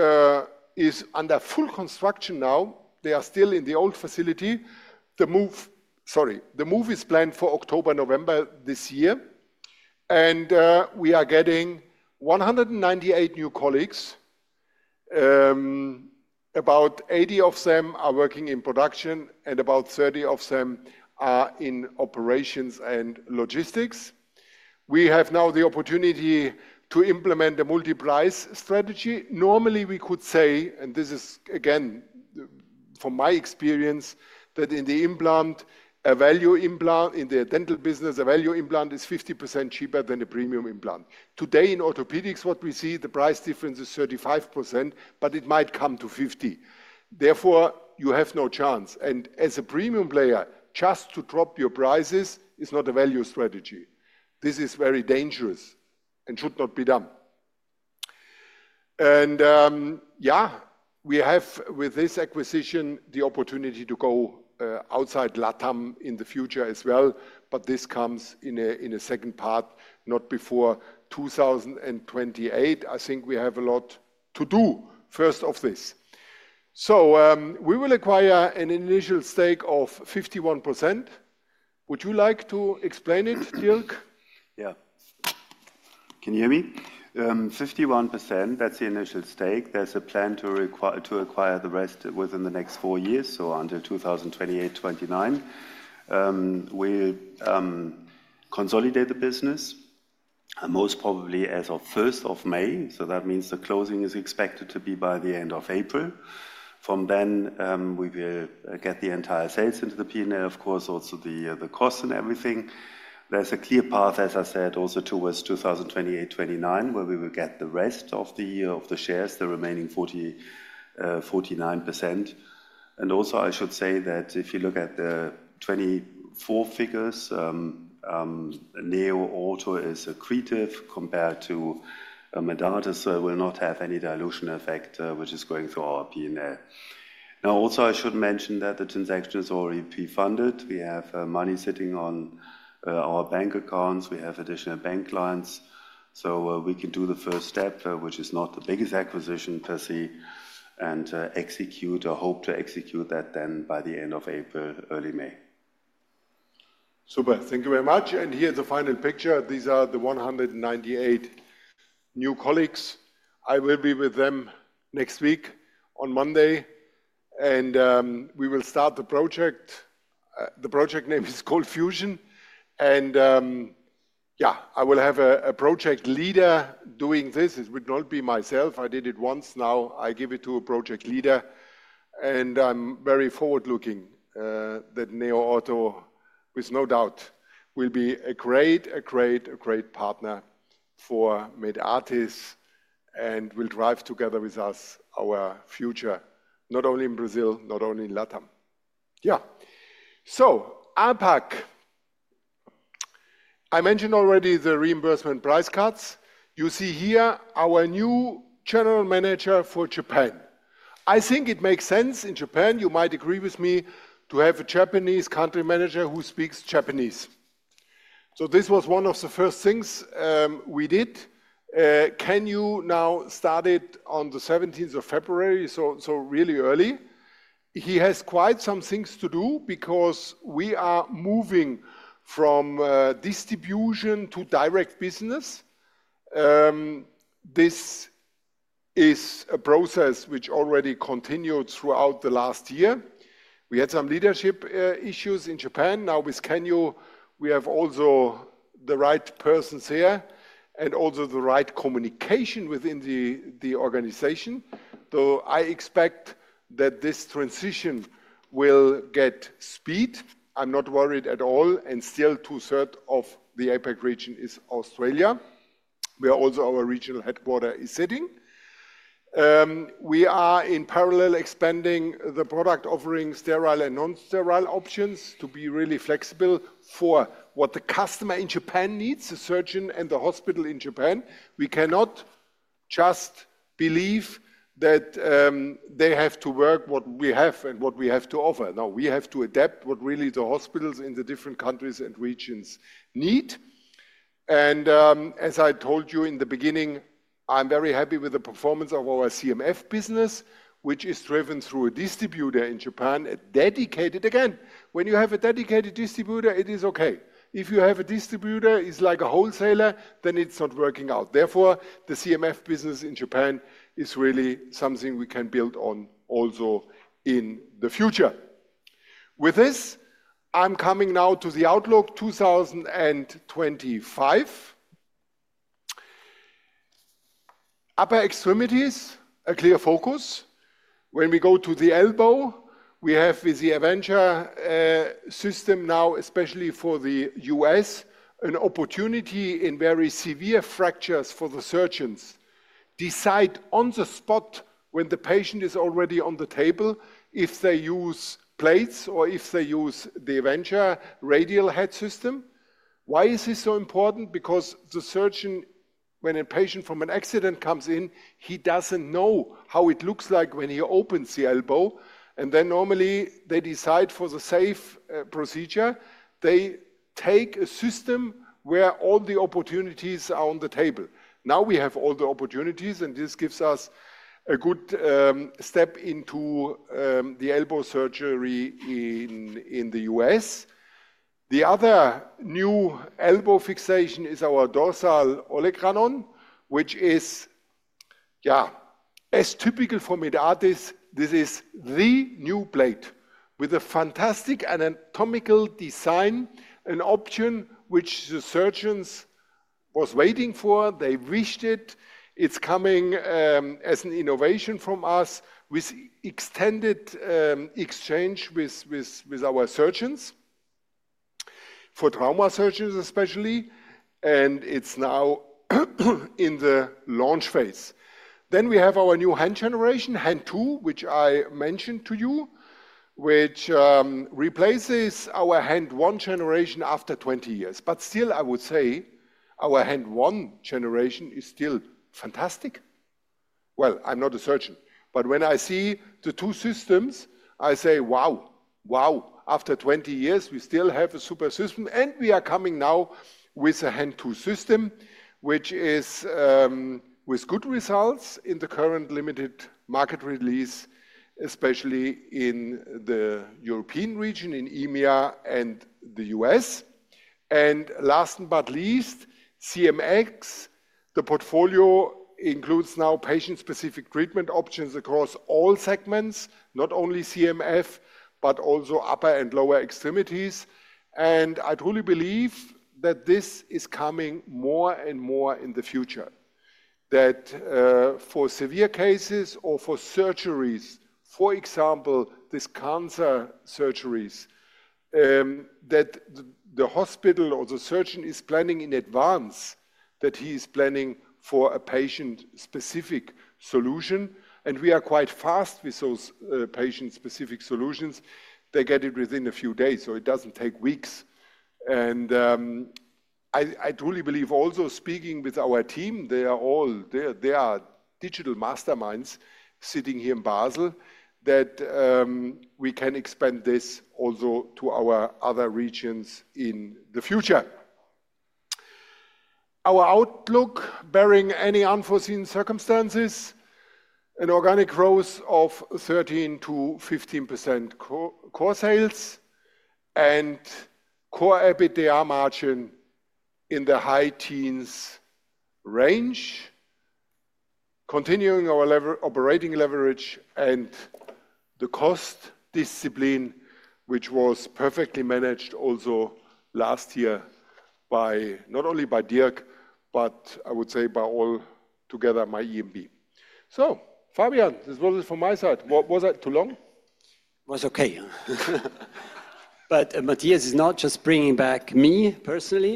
is under full construction now. They are still in the old facility. The move is planned for October, November this year. We are getting 198 new colleagues. About 80 of them are working in production, and about 30 of them are in operations and logistics. We have now the opportunity to implement a multi-price strategy. Normally, we could say, and this is again from my experience, that in the implant, a value implant in the dental business, a value implant is 50% cheaper than a premium implant. Today, in orthopedics, what we see, the price difference is 35%, but it might come to 50%. Therefore, you have no chance. As a premium player, just to drop your prices is not a value strategy. This is very dangerous and should not be done. Yeah, we have with this acquisition the opportunity to go outside LATAM in the future as well. This comes in a second part, not before 2028. I think we have a lot to do, first of this. We will acquire an initial stake of 51%. Would you like to explain it, Dirk? Yeah. Can you hear me? 51%, that's the initial stake. There's a plan to acquire the rest within the next four years, so until 2028-2029. We consolidate the business, most probably as of 1st of May. That means the closing is expected to be by the end of April. From then, we will get the entire sales into the P&L, of course, also the cost and everything. There's a clear path, as I said, also towards 2028-2029, where we will get the rest of the shares, the remaining 49%. I should say that if you look at the 2024 figures, NeoOrtho is accretive compared to Medartis, so it will not have any dilution effect, which is going through our P&L. I should mention that the transaction is already pre-funded. We have money sitting on our bank accounts. We have additional bank lines. We can do the first step, which is not the biggest acquisition per se, and execute or hope to execute that then by the end of April, early May. Super. Thank you very much. Here's the final picture. These are the 198 new colleagues. I will be with them next week on Monday. We will start the project. The project name is called Fusion. I will have a project leader doing this. It would not be myself. I did it once. Now I give it to a project leader. I am very forward-looking that NeoOrtho, with no doubt, will be a great, a great, a great partner for Medartis and will drive together with us our future, not only in Brazil, not only in LATAM. APAC. I mentioned already the reimbursement price cards. You see here our new general manager for Japan. I think it makes sense in Japan. You might agree with me to have a Japanese country manager who speaks Japanese. This was one of the first things we did. Can you now start it on the 17th of February? Really early. He has quite some things to do because we are moving from distribution to direct business. This is a process which already continued throughout the last year. We had some leadership issues in Japan. Now with Kenyu, we have also the right persons here and also the right communication within the organization. I expect that this transition will get speed. I'm not worried at all. Still, two-thirds of the APAC region is Australia, where also our regional headquarter is sitting. We are in parallel expanding the product offering, sterile and non-sterile options to be really flexible for what the customer in Japan needs, the surgeon and the hospital in Japan. We cannot just believe that they have to work with what we have and what we have to offer. No, we have to adapt what really the hospitals in the different countries and regions need. As I told you in the beginning, I'm very happy with the performance of our CMF business, which is driven through a distributor in Japan, a dedicated, again, when you have a dedicated distributor, it is okay. If you have a distributor who is like a wholesaler, then it's not working out. Therefore, the CMF business in Japan is really something we can build on also in the future. With this, I'm coming now to the Outlook 2025. Upper extremities, a clear focus. When we go to the elbow, we have with the Aventure system now, especially for the U.S., an opportunity in very severe fractures for the surgeons. Decide on the spot when the patient is already on the table if they use plates or if they use the Aventure Radial Head System. Why is this so important? Because the surgeon, when a patient from an accident comes in, he doesn't know how it looks like when he opens the elbow. Then normally they decide for the safe procedure. They take a system where all the opportunities are on the table. Now we have all the opportunities, and this gives us a good step into the elbow surgery in the U.S. The other new elbow fixation is our dorsal olecranon, which is, yeah, as typical for Medartis, this is the new plate with a fantastic anatomical design, an option which the surgeons were waiting for. They wished it. It's coming as an innovation from us with extended exchange with our surgeons for trauma surgeons especially. It's now in the launch phase. We have our new hand generation, Hand 2, which I mentioned to you, which replaces our Hand 1 generation after 20 years. I would say our Hand 1 generation is still fantastic. I mean, I'm not a surgeon, but when I see the two systems, I say, wow, wow, after 20 years, we still have a super system. We are coming now with a Hand 2 system, which is with good results in the current limited market release, especially in the European region, in EMEA and the U.S. Last but not least, CMX, the portfolio includes now patient-specific treatment options across all segments, not only CMF, but also upper and lower extremities. I truly believe that this is coming more and more in the future, that for severe cases or for surgeries, for example, these cancer surgeries, the hospital or the surgeon is planning in advance, that he is planning for a patient-specific solution. We are quite fast with those patient-specific solutions. They get it within a few days, so it does not take weeks. I truly believe also, speaking with our team, they are all, they are digital masterminds sitting here in Basel, that we can expand this also to our other regions in the future. Our outlook bearing any unforeseen circumstances, an organic growth of 13-15% core sales and core EBITDA margin in the high teens range, continuing our operating leverage and the cost discipline, which was perfectly managed also last year not only by Dirk, but I would say by all together, my EMB. Fabian, this was it from my side. Was I too long? It was okay. Matthias is not just bringing back me personally.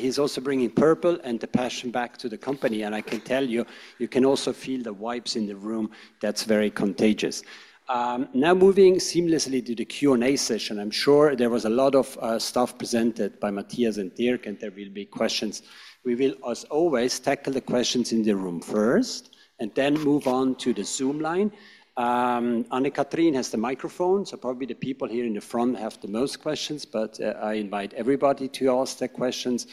He is also bringing Purple and the passion back to the company. I can tell you, you can also feel the vibes in the room. That is very contagious. Now moving seamlessly to the Q&A session. I'm sure there was a lot of stuff presented by Matthias and Dirk, and there will be questions. We will, as always, tackle the questions in the room first and then move on to the Zoom line. Anne-Catherine has the microphone, so probably the people here in the front have the most questions, but I invite everybody to ask their questions.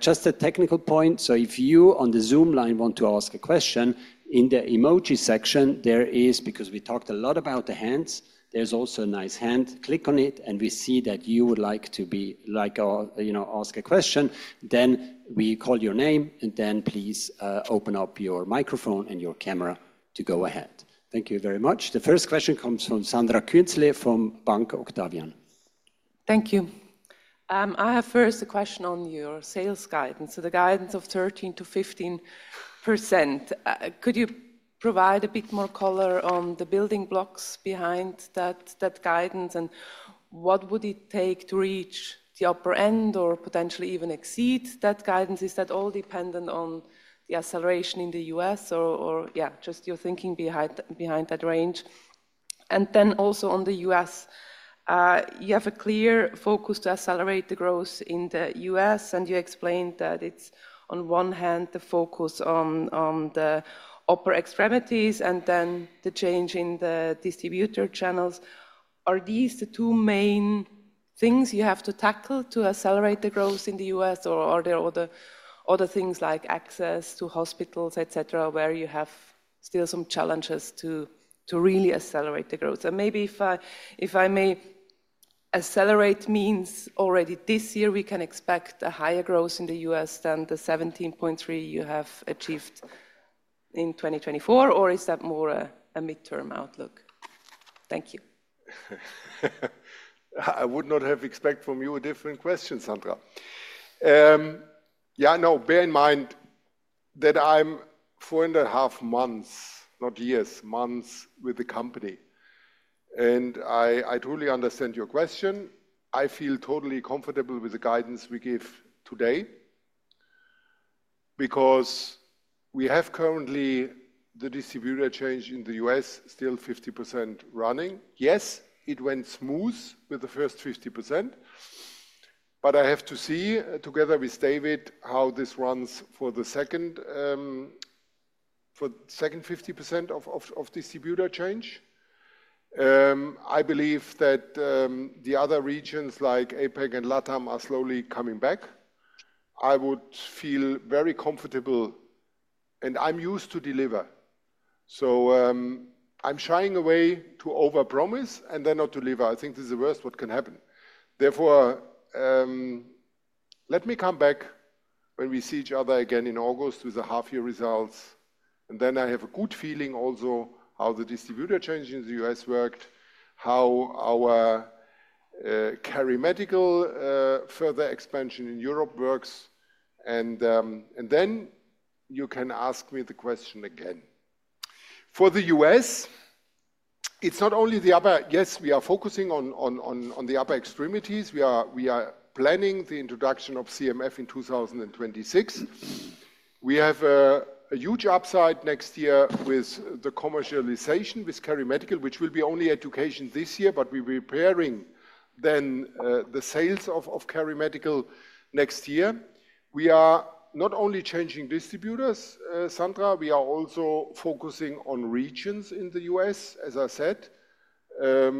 Just a technical point. If you on the Zoom line want to ask a question, in the emoji section, there is, because we talked a lot about the hands, there's also a nice hand. Click on it, and we see that you would like to be, like, ask a question. We call your name, and then please open up your microphone and your camera to go ahead. Thank you very much. The first question comes from Sandra Künzle from Bank Octavian. Thank you. I have first a question on your sales guidance, so the guidance of 13-15%. Could you provide a bit more color on the building blocks behind that guidance, and what would it take to reach the upper end or potentially even exceed that guidance? Is that all dependent on the acceleration in the U.S. or, yeah, just your thinking behind that range? Also on the U.S., you have a clear focus to accelerate the growth in the U.S., and you explained that it is on one hand the focus on the upper extremities and then the change in the distributor channels. Are these the two main things you have to tackle to accelerate the growth in the U.S., or are there other things like access to hospitals, etc., where you have still some challenges to really accelerate the growth? Maybe if I may, accelerate means already this year, we can expect a higher growth in the U.S. than the 17.3% you have achieved in 2024, or is that more a midterm outlook? Thank you. I would not have expected from you a different question, Sandra. Yeah, no, bear in mind that I'm four and a half months, not years, months with the company. I truly understand your question. I feel totally comfortable with the guidance we give today because we have currently the distributor change in the U.S. still 50% running. Yes, it went smooth with the first 50%, but I have to see together with David how this runs for the second 50% of distributor change. I believe that the other regions like APAC and LATAM are slowly coming back. I would feel very comfortable, and I'm used to deliver. I'm shying away from over-promising and then not delivering. I think this is the worst what can happen. Therefore, let me come back when we see each other again in August with the half-year results. I have a good feeling also how the distributor change in the U.S. worked, how our KeriMedical further expansion in Europe works. You can ask me the question again. For the U.S., it's not only the upper. Yes, we are focusing on the upper extremities. We are planning the introduction of CMF in 2026. We have a huge upside next year with the commercialization with KeriMedical, which will be only education this year, but we are preparing then the sales of KeriMedical next year. We are not only changing distributors, Sandra, we are also focusing on regions in the U.S., as I said. The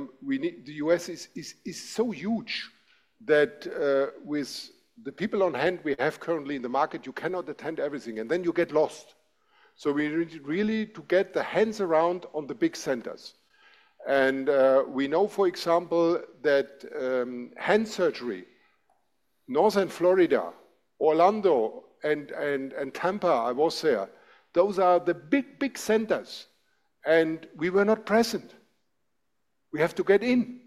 U.S. is so huge that with the people on hand we have currently in the market, you cannot attend everything, and you get lost. We really need to get the hands around on the big centers. We know, for example, that hand surgery, Northern Florida, Orlando, and Tampa, I was there. Those are the big, big centers, and we were not present. We have to get in.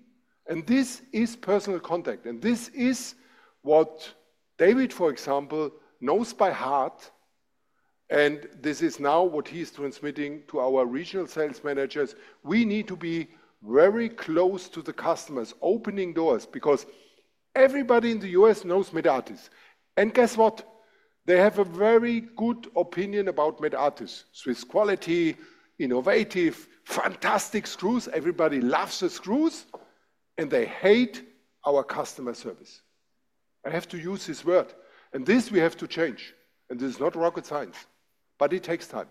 This is personal contact. This is what David, for example, knows by heart. This is now what he is transmitting to our regional sales managers. We need to be very close to the customers, opening doors because everybody in the U.S. knows Medartis. Guess what? They have a very good opinion about Medartis, Swiss quality, innovative, fantastic screws. Everybody loves the screws, and they hate our customer service. I have to use this word. This we have to change. This is not rocket science, but it takes time.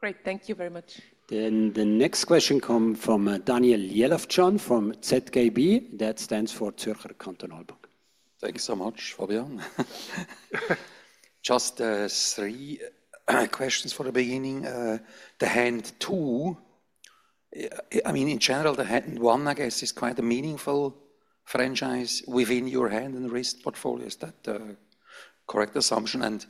Great. Thank you very much. The next question comes from Daniel Jelovcan from ZKB, that stands for Zürcher Kantonalbank. Thank you so much, Fabian. Just three questions for the beginning. The Hand 2, I mean, in general, the Hand 1, I guess, is quite a meaningful franchise within your hand and wrist portfolio. Is that a correct assumption?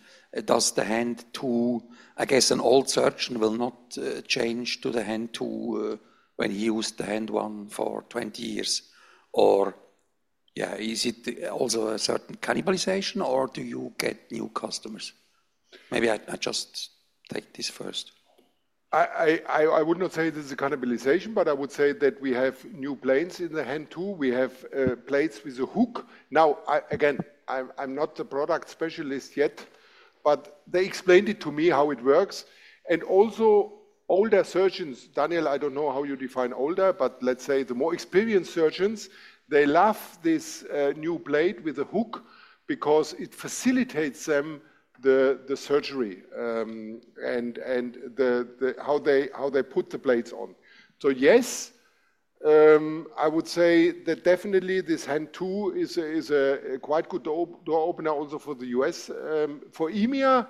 Does the Hand 2, I guess, an old surgeon will not change to the Hand 2 when he used the Hand 1 for 20 years? Or, yeah, is it also a certain cannibalization, or do you get new customers? Maybe I just take this first. I would not say this is a cannibalization, but I would say that we have new plates in the Hand 2. We have plates with a hook. Now, again, I'm not a product specialist yet, but they explained it to me how it works. Also, older surgeons, Daniel, I don't know how you define older, but let's say the more experienced surgeons, they love this new blade with a hook because it facilitates them the surgery and how they put the plates on. Yes, I would say that definitely this Hand 2 is a quite good door opener also for the U.S. For EMEA,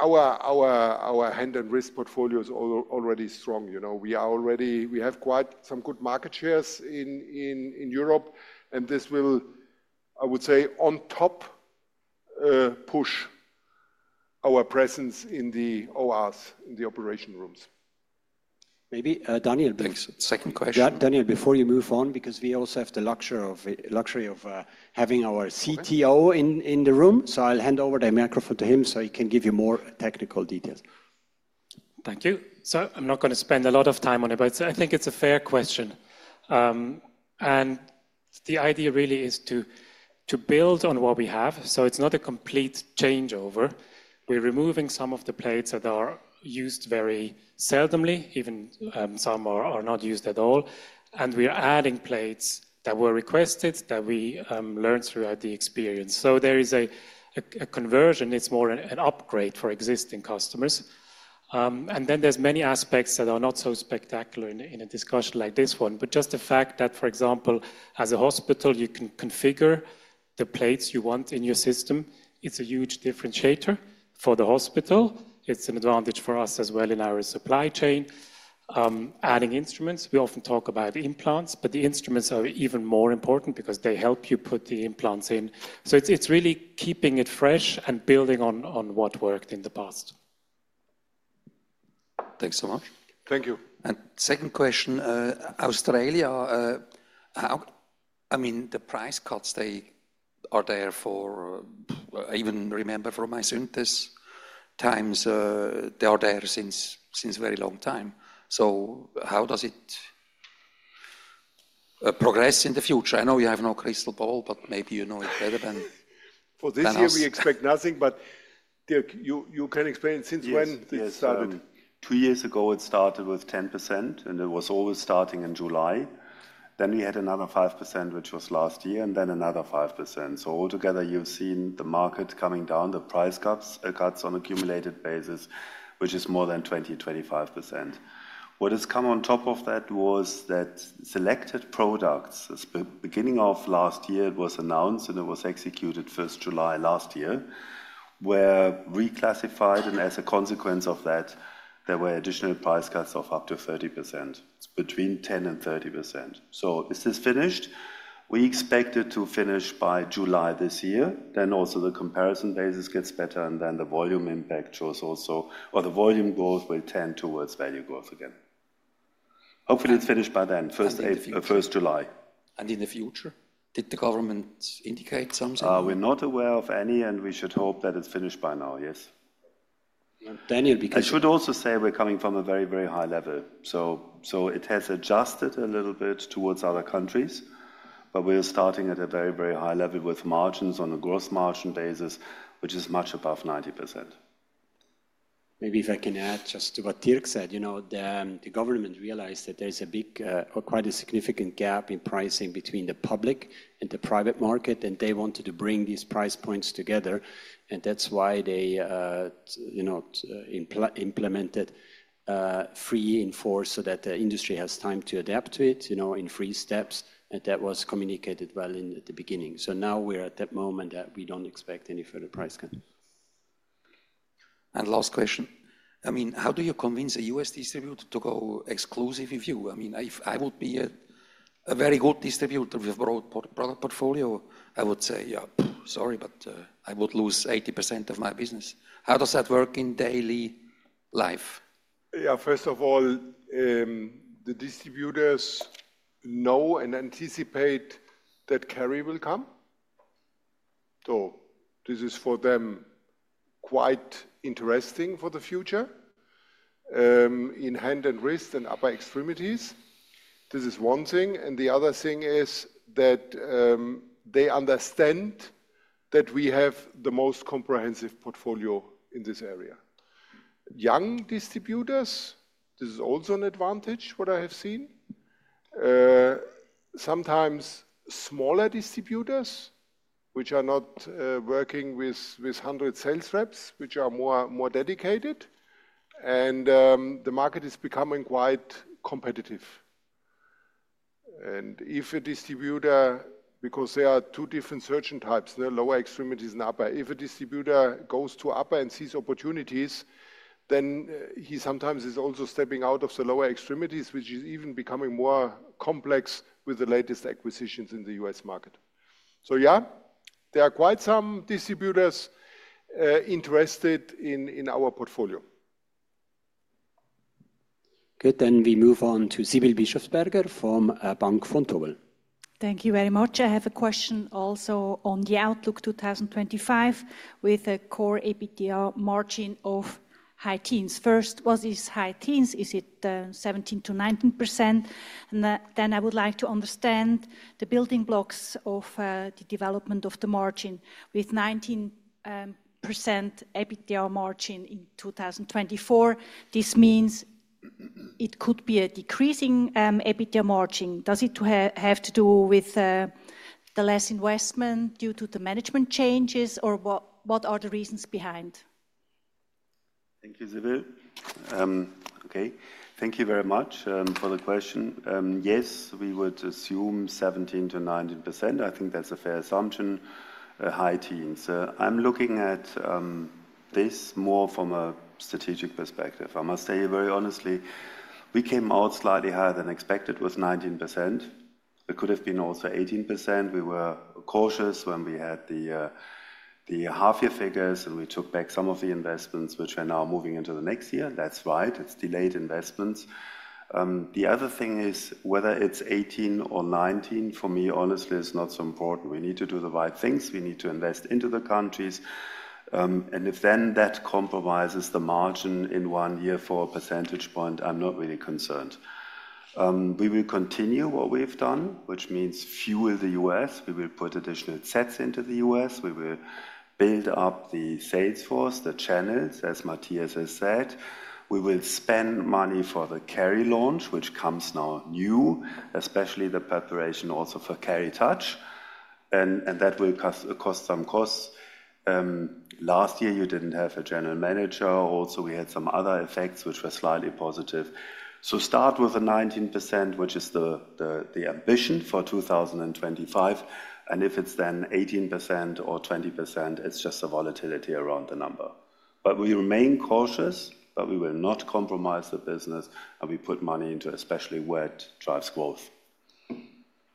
our hand and wrist portfolio is already strong. We have quite some good market shares in Europe, and this will, I would say, on top, push our presence in the ORs, in the operation rooms. Maybe, Daniel, The second question. Daniel, before you move on, because we also have the luxury of having our CTO in the room, I will hand over the microphone to him so he can give you more technical details. Thank you. I am not going to spend a lot of time on it, but I think it is a fair question. The idea really is to build on what we have. It is not a complete changeover. We are removing some of the plates that are used very seldomly, even some are not used at all. We are adding plates that were requested that we learned throughout the experience. There is a conversion. It is more an upgrade for existing customers. There are many aspects that are not so spectacular in a discussion like this one, but just the fact that, for example, as a hospital, you can configure the plates you want in your system. It is a huge differentiator for the hospital. It is an advantage for us as well in our supply chain. Adding instruments. We often talk about implants, but the instruments are even more important because they help you put the implants in. It is really keeping it fresh and building on what worked in the past. Thanks so much. Thank you. Second question, Australia, I mean, the price cuts, they are there for, I even remember from my synthesis times, they are there since a very long time. How does it progress in the future? I know you have no crystal ball, but maybe you know it better than us. For this year, we expect nothing, but Dirk, you can explain since when it started. Two years ago, it started with 10%, and it was always starting in July. Then we had another 5%, which was last year, and then another 5%. Altogether, you've seen the market coming down, the price cuts on an accumulated basis, which is more than 20-25%. What has come on top of that was that selected products, beginning of last year, it was announced and it was executed 1st July last year, were reclassified, and as a consequence of that, there were additional price cuts of up to 30%, between 10% and 30%. Is this finished? We expect it to finish by July this year. Also, the comparison basis gets better, and the volume impact shows also, or the volume growth will tend towards value growth again. Hopefully, it's finished by then, 1 July. In the future, did the government indicate something? We're not aware of any, and we should hope that it's finished by now, yes. Daniel, because I should also say we're coming from a very, very high level. It has adjusted a little bit towards other countries, but we're starting at a very, very high level with margins on a gross margin basis, which is much above 90%. Maybe if I can add just to what Dirk said, you know, the government realized that there's a big, quite a significant gap in pricing between the public and the private market, and they wanted to bring these price points together. That's why they implemented free enforce so that the industry has time to adapt to it, you know, in three steps. That was communicated well in the beginning. Now we're at that moment that we do not expect any further price cut. Last question. I mean, how do you convince a U.S. distributor to go exclusive with you? I mean, if I would be a very good distributor with a broad product portfolio, I would say, yeah, sorry, but I would lose 80% of my business. How does that work in daily life? First of all, the distributors know and anticipate that Keri will come. This is for them quite interesting for the future in hand and wrist and upper extremities. This is one thing. The other thing is that they understand that we have the most comprehensive portfolio in this area. Young distributors, this is also an advantage what I have seen. Sometimes smaller distributors, which are not working with 100 sales reps, which are more dedicated, and the market is becoming quite competitive. If a distributor, because there are two different surgeon types, lower extremities and upper, if a distributor goes to upper and sees opportunities, then he sometimes is also stepping out of the lower extremities, which is even becoming more complex with the latest acquisitions in the U.S. market. There are quite some distributors interested in our portfolio. Good. We move on to Sibylle Bischofberger from Bank Vontobel. Thank you very much. I have a question also on the outlook 2025 with a core EBITDA margin of high teens. First, what is high teens? Is it 17-19%? I would like to understand the building blocks of the development of the margin. With 19% EBITDA margin in 2024, this means it could be a decreasing EBITDA margin. Does it have to do with the less investment due to the management changes, or what are the reasons behind? Thank you, Sibylle. Okay, thank you very much for the question. Yes, we would assume 17-19%. I think that's a fair assumption. High teens. I'm looking at this more from a strategic perspective. I must say very honestly, we came out slightly higher than expected with 19%. It could have been also 18%. We were cautious when we had the half-year figures, and we took back some of the investments, which are now moving into the next year. That's right. It's delayed investments. The other thing is whether it's 18 or 19, for me, honestly, is not so important. We need to do the right things. We need to invest into the countries. If then that compromises the margin in one year for a percentage point, I'm not really concerned. We will continue what we've done, which means fuel the U.S. We will put additional sets into the U.S. We will build up the sales force, the channels, as Matthias has said. We will spend money for the Keri launch, which comes now new, especially the preparation also for KeriTouch. That will cost some costs. Last year, you didn't have a general manager. Also, we had some other effects, which were slightly positive. Start with the 19%, which is the ambition for 2025. If it's then 18% or 20%, it's just the volatility around the number. We remain cautious, but we will not compromise the business, and we put money into especially where it drives growth.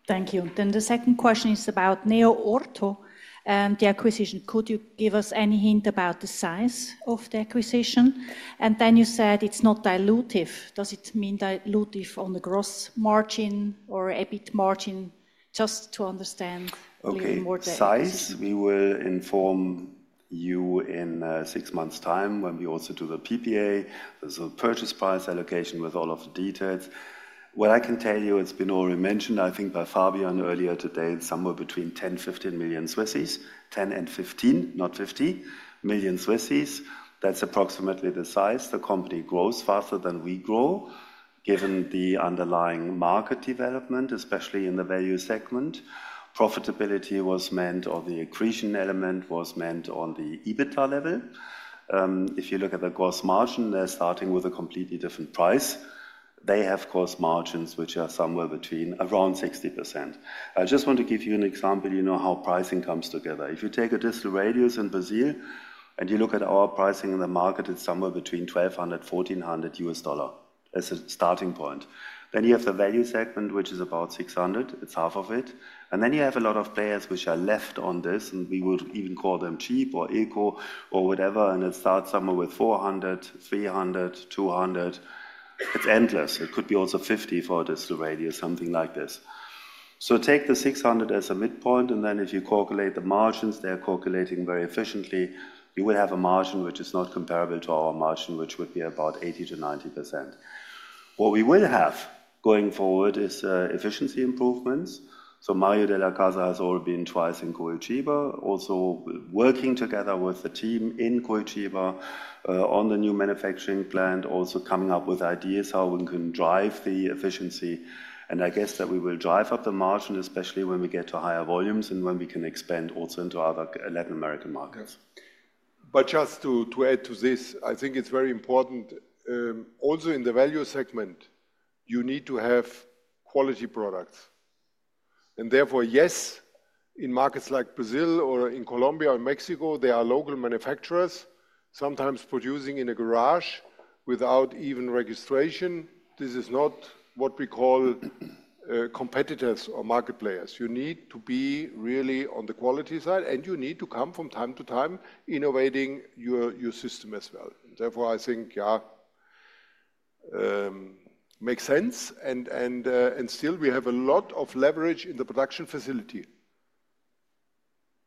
Thank you. The second question is about NeoOrtho and the acquisition. Could you give us any hint about the size of the acquisition? You said it's not dilutive. Does it mean dilutive on the gross margin or EBIT margin? Just to understand a little bit more The size. We will inform you in six months' time when we also do the PPA. There's a purchase price allocation with all of the details. What I can tell you, it's been already mentioned, I think by Fabian earlier today, somewhere between 10 million-15 million, 10 million and 15 million, not 50 million. That's approximately the size. The company grows faster than we grow, given the underlying market development, especially in the value segment. Profitability was meant, or the accretion element was meant on the EBITDA level. If you look at the gross margin, they're starting with a completely different price. They have gross margins which are somewhere between around 60%. I just want to give you an example, you know, how pricing comes together. If you take a distal radius in Brazil and you look at our pricing in the market, it's somewhere between $1,200-$1,400 as a starting point. You have the value segment, which is about $600. It's half of it. You have a lot of players which are left on this, and we would even call them cheap or eco or whatever, and it starts somewhere with $400, $300, $200. It's endless. It could be also $50 for a distal radius, something like this. Take the $600 as a midpoint, and if you calculate the margins, they're calculating very efficiently. You will have a margin which is not comparable to our margin, which would be about 80-90%. What we will have going forward is efficiency improvements. Mario Della Casa has already been twice in Curitiba, also working together with the team in Curitiba on the new manufacturing plant, also coming up with ideas how we can drive the efficiency. I guess that we will drive up the margin, especially when we get to higher volumes and when we can expand also into other Latin American markets. Just to add to this, I think it's very important also in the value segment, you need to have quality products. Therefore, yes, in markets like Brazil or in Colombia or Mexico, there are local manufacturers sometimes producing in a garage without even registration. This is not what we call competitors or market players. You need to be really on the quality side, and you need to come from time to time innovating your system as well. Therefore, I think, yeah, makes sense. Still, we have a lot of leverage in the production facility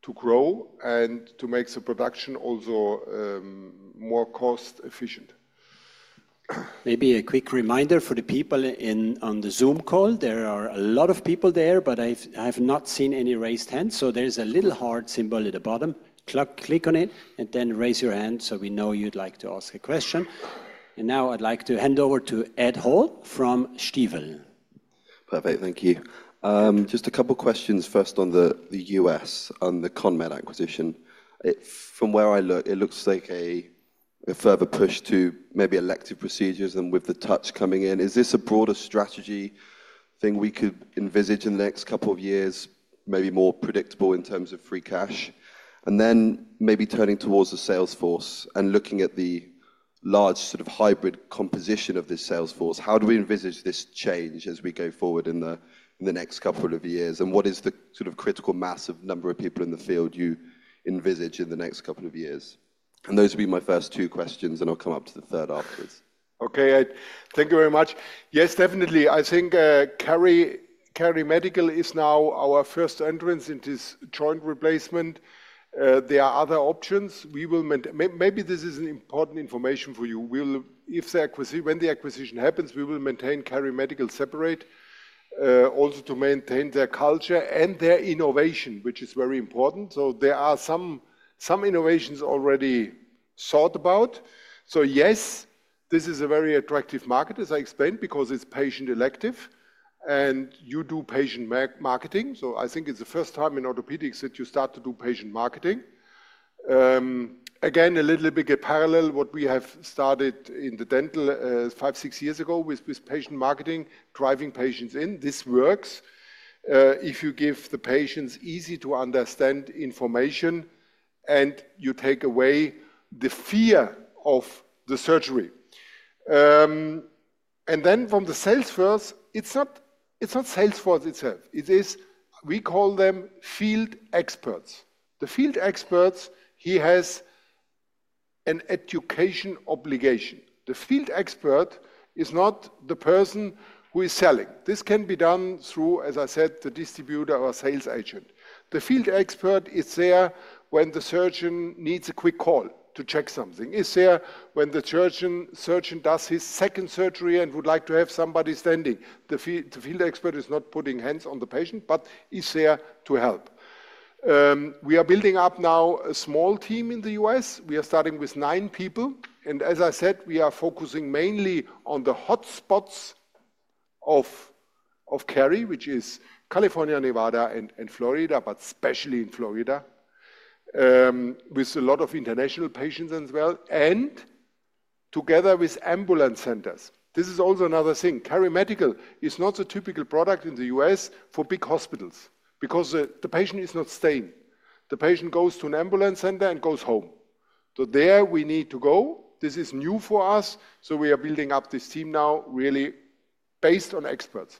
to grow and to make the production also more cost-efficient. Maybe a quick reminder for the people on the Zoom call. There are a lot of people there, but I have not seen any raised hands. There is a little heart symbol at the bottom. Click on it and then raise your hand so we know you'd like to ask a question. Now I'd like to hand over to Ed Hall from Stifel. Perfect. Thank you. Just a couple of questions first on the U.S. and the CONMED acquisition. From where I look, it looks like a further push to maybe elective procedures and with the touch coming in. Is this a broader strategy thing we could envisage in the next couple of years, maybe more predictable in terms of free cash? Maybe turning towards the sales force and looking at the large sort of hybrid composition of this sales force, how do we envisage this change as we go forward in the next couple of years? What is the sort of critical massive number of people in the field you envisage in the next couple of years? Those will be my first two questions, and I'll come up to the third afterwards. Okay, Ed, thank you very much. Yes, definitely. I think KeriMedical is now our first entrance into this joint replacement. There are other options. Maybe this is important information for you. If the acquisition, when the acquisition happens, we will maintain KeriMedical separate also to maintain their culture and their innovation, which is very important. There are some innovations already thought about. Yes, this is a very attractive market, as I explained, because it is patient elective and you do patient marketing. I think it is the first time in orthopedics that you start to do patient marketing. Again, a little bit parallel to what we have started in the dental five, six years ago with patient marketing, driving patients in. This works if you give the patients easy-to-understand information and you take away the fear of the surgery. From the sales force, it is not sales force itself. We call them field experts. The field expert, he has an education obligation. The field expert is not the person who is selling. This can be done through, as I said, the distributor or sales agent. The field expert is there when the surgeon needs a quick call to check something. Is there when the surgeon does his second surgery and would like to have somebody standing. The field expert is not putting hands on the patient, but is there to help. We are building up now a small team in the U.S. We are starting with nine people. As I said, we are focusing mainly on the hotspots of Keri, which is California, Nevada, and Florida, especially in Florida with a lot of international patients as well. Together with ambulance centers, this is also another thing. KeriMedical is not a typical product in the U.S. for big hospitals because the patient is not staying. The patient goes to an ambulance center and goes home. There we need to go. This is new for us. We are building up this team now really based on experts.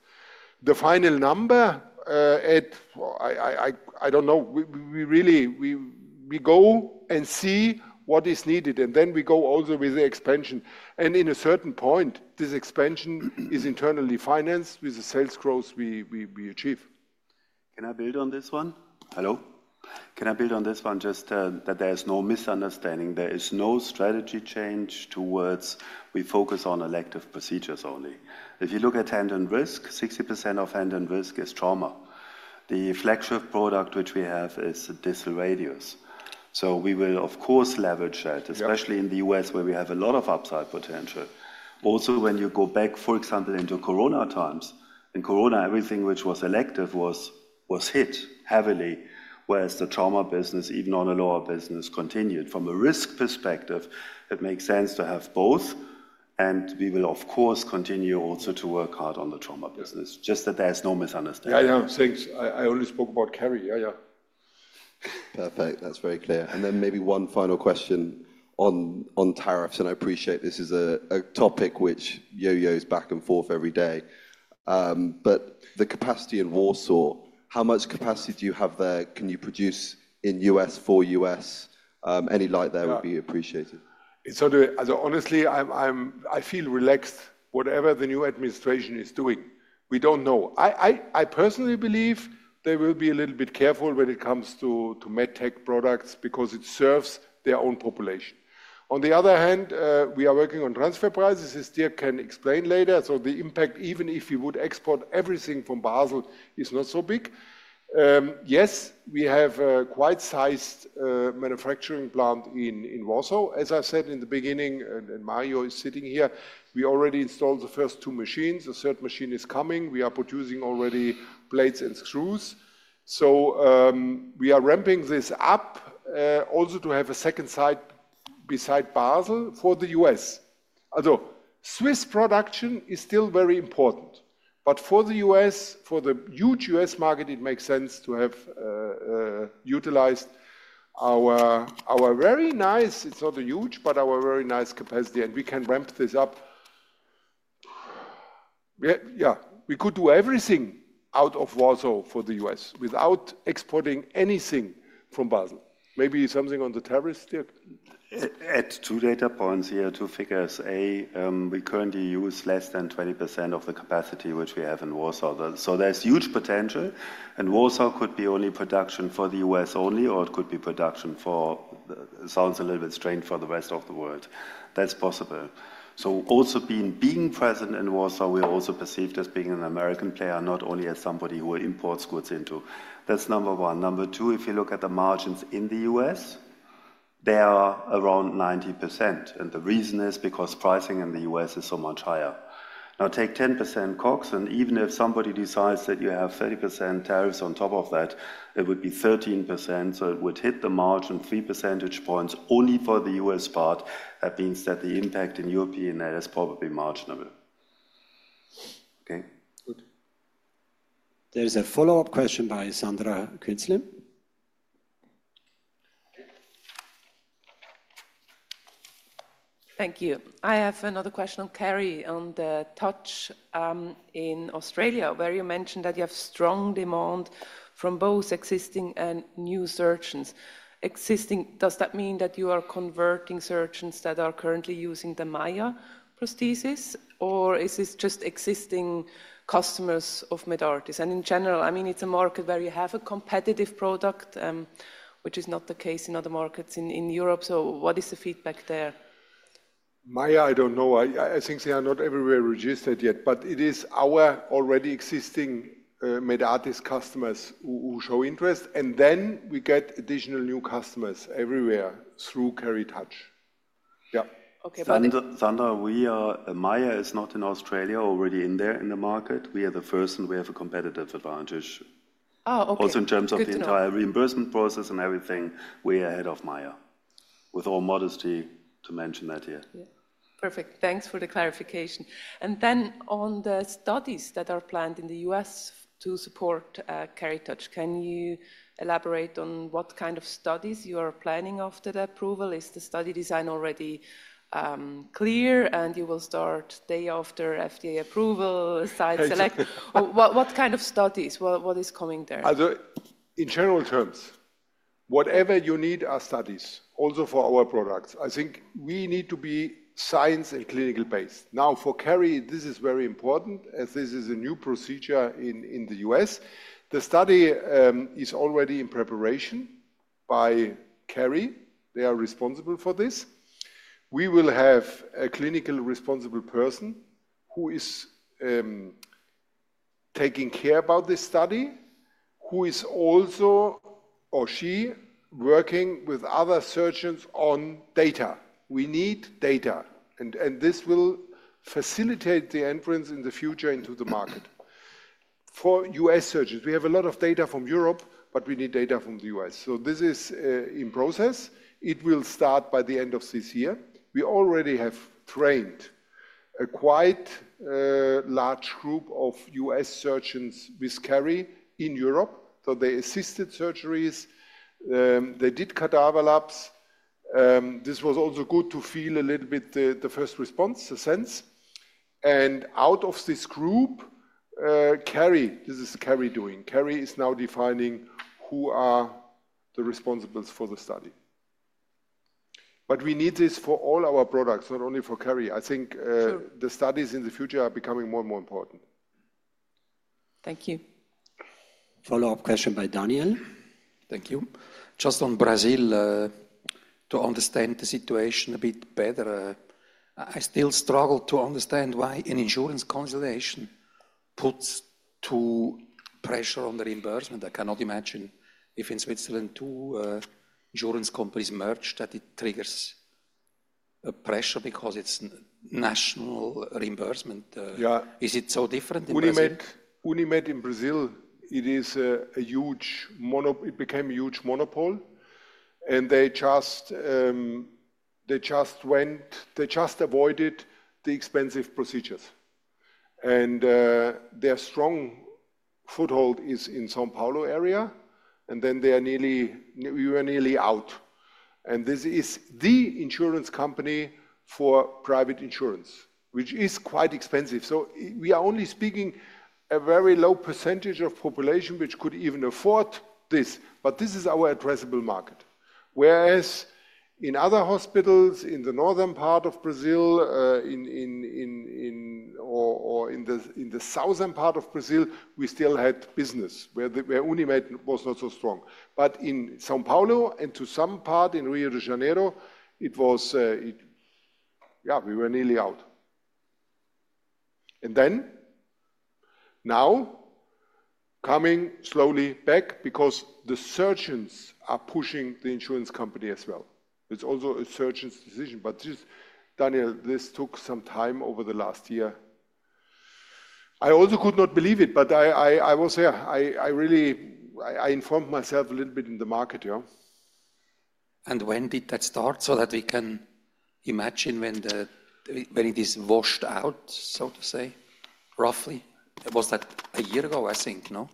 The final number, Ed, I do not know. We really go and see what is needed, and then we go also with the expansion. At a certain point, this expansion is internally financed with the sales growth we achieve. Can I build on this one? Hello? Can I build on this one? Just that there is no misunderstanding. There is no strategy change towards we focus on elective procedures only. If you look at hand and wrist, 60% of hand and wrist is trauma. The flagship product which we have is a distal radius. We will, of course, leverage that, especially in the U.S. where we have a lot of upside potential. Also, when you go back, for example, into corona times, in corona, everything which was elective was hit heavily, whereas the trauma business, even on a lower business, continued. From a risk perspective, it makes sense to have both. We will, of course, continue also to work hard on the trauma business. Just that there's no misunderstanding. Yeah, yeah, thanks. I only spoke about Keri. Yeah, yeah. Perfect. That's very clear. Maybe one final question on tariffs. I appreciate this is a topic which yo-yos back and forth every day. The capacity in Warsaw, how much capacity do you have there? Can you produce in U.S. for U.S.? Any light there would be appreciated. Honestly, I feel relaxed. Whatever the new administration is doing, we don't know. I personally believe they will be a little bit careful when it comes to med tech products because it serves their own population. On the other hand, we are working on transfer prices. This deal can explain later. The impact, even if you would export everything from Basel, is not so big. Yes, we have a quite sized manufacturing plant in Warsaw. As I said in the beginning, and Mario is sitting here, we already installed the first two machines. The third machine is coming. We are producing already plates and screws. We are ramping this up also to have a second site beside Basel for the U.S. Although Swiss production is still very important, for the U.S., for the huge U.S. market, it makes sense to have utilized our very nice, it is not a huge, but our very nice capacity. We can ramp this up. Yeah, we could do everything out of Warsaw for the U.S. without exporting anything from Basel. Maybe something on the tariff deal. Add two data points here, two figures. A, we currently use less than 20% of the capacity which we have in Warsaw. There is huge potential. Warsaw could be only production for the U.S. only, or it could be production for, sounds a little bit strange, for the rest of the world. That is possible. Also, being present in Warsaw, we are also perceived as being an American player, not only as somebody who imports goods into. That is number one. Number two, if you look at the margins in the U.S., they are around 90%. The reason is because pricing in the U.S. is so much higher. Now take 10% COGS. Even if somebody decides that you have 30% tariffs on top of that, it would be 13%. It would hit the margin three percentage points only for the U.S. part. That means that the impact in Europe and that is probably marginable. Okay. Good. There is a follow-up question by Sandra Künzle. Thank you. I have another question on KeriTouch in Australia, where you mentioned that you have strong demand from both existing and new surgeons. Existing, does that mean that you are converting surgeons that are currently using the MAÏA prosthesis, or is this just existing customers of Medartis? In general, I mean, it is a market where you have a competitive product, which is not the case in other markets in Europe. What is the feedback there? MAÏA, I do not know. I think they are not everywhere registered yet, but it is our already existing Medartis customers who show interest. Then we get additional new customers everywhere through KeriTouch. Yeah. Okay. Sandra, we are, MAÏA is not in Australia already in there in the market. We are the first and we have a competitive advantage. Oh, okay. Also in terms of the entire reimbursement process and everything, we are ahead of MAÏA, with all modesty to mention that here. Perfect. Thanks for the clarification. On the studies that are planned in the U.S. to support KeriTouch, can you elaborate on what kind of studies you are planning after the approval? Is the study design already clear and you will start day after FDA approval, site select? What kind of studies? What is coming there? In general terms, whatever you need are studies also for our products. I think we need to be science and clinical based. Now for Keri, this is very important as this is a new procedure in the U.S. The study is already in preparation by Keri. They are responsible for this. We will have a clinical responsible person who is taking care about this study, who is also or she working with other surgeons on data. We need data. This will facilitate the entrance in the future into the market for U.S. surgeons. We have a lot of data from Europe, but we need data from the U.S. This is in process. It will start by the end of this year. We already have trained a quite large group of U.S. Surgeons with Keri in Europe. They assisted surgeries. They did cadaver labs. This was also good to feel a little bit the first response, the sense. Out of this group, Keri, this is Keri doing. Keri is now defining who are the responsibles for the study. We need this for all our products, not only for Keri. I think the studies in the future are becoming more and more important. Thank you. Follow-up question by Daniel. Thank you. Just on Brazil, to understand the situation a bit better, I still struggle to understand why an insurance consolidation puts too much pressure on the reimbursement. I cannot imagine if in Switzerland two insurance companies merged that it triggers pressure because it is national reimbursement. Is it so different in Brazil? Unimed in Brazil, it is a huge, it became a huge monopoly. They just went, they just avoided the expensive procedures. Their strong foothold is in the São Paulo area. We are nearly out. This is the insurance company for private insurance, which is quite expensive. We are only speaking a very low percentage of population which could even afford this. This is our addressable market. Whereas in other hospitals in the northern part of Brazil, or in the southern part of Brazil, we still had business where Unimed was not so strong. In São Paulo and to some part in Rio de Janeiro, it was, yeah, we were nearly out. Now coming slowly back because the surgeons are pushing the insurance company as well. It's also a surgeon's decision. Daniel, this took some time over the last year. I also could not believe it, but I was there. I really, I informed myself a little bit in the market here. When did that start so that we can imagine when it is washed out, so to say, roughly? Was that a year ago, I think, no?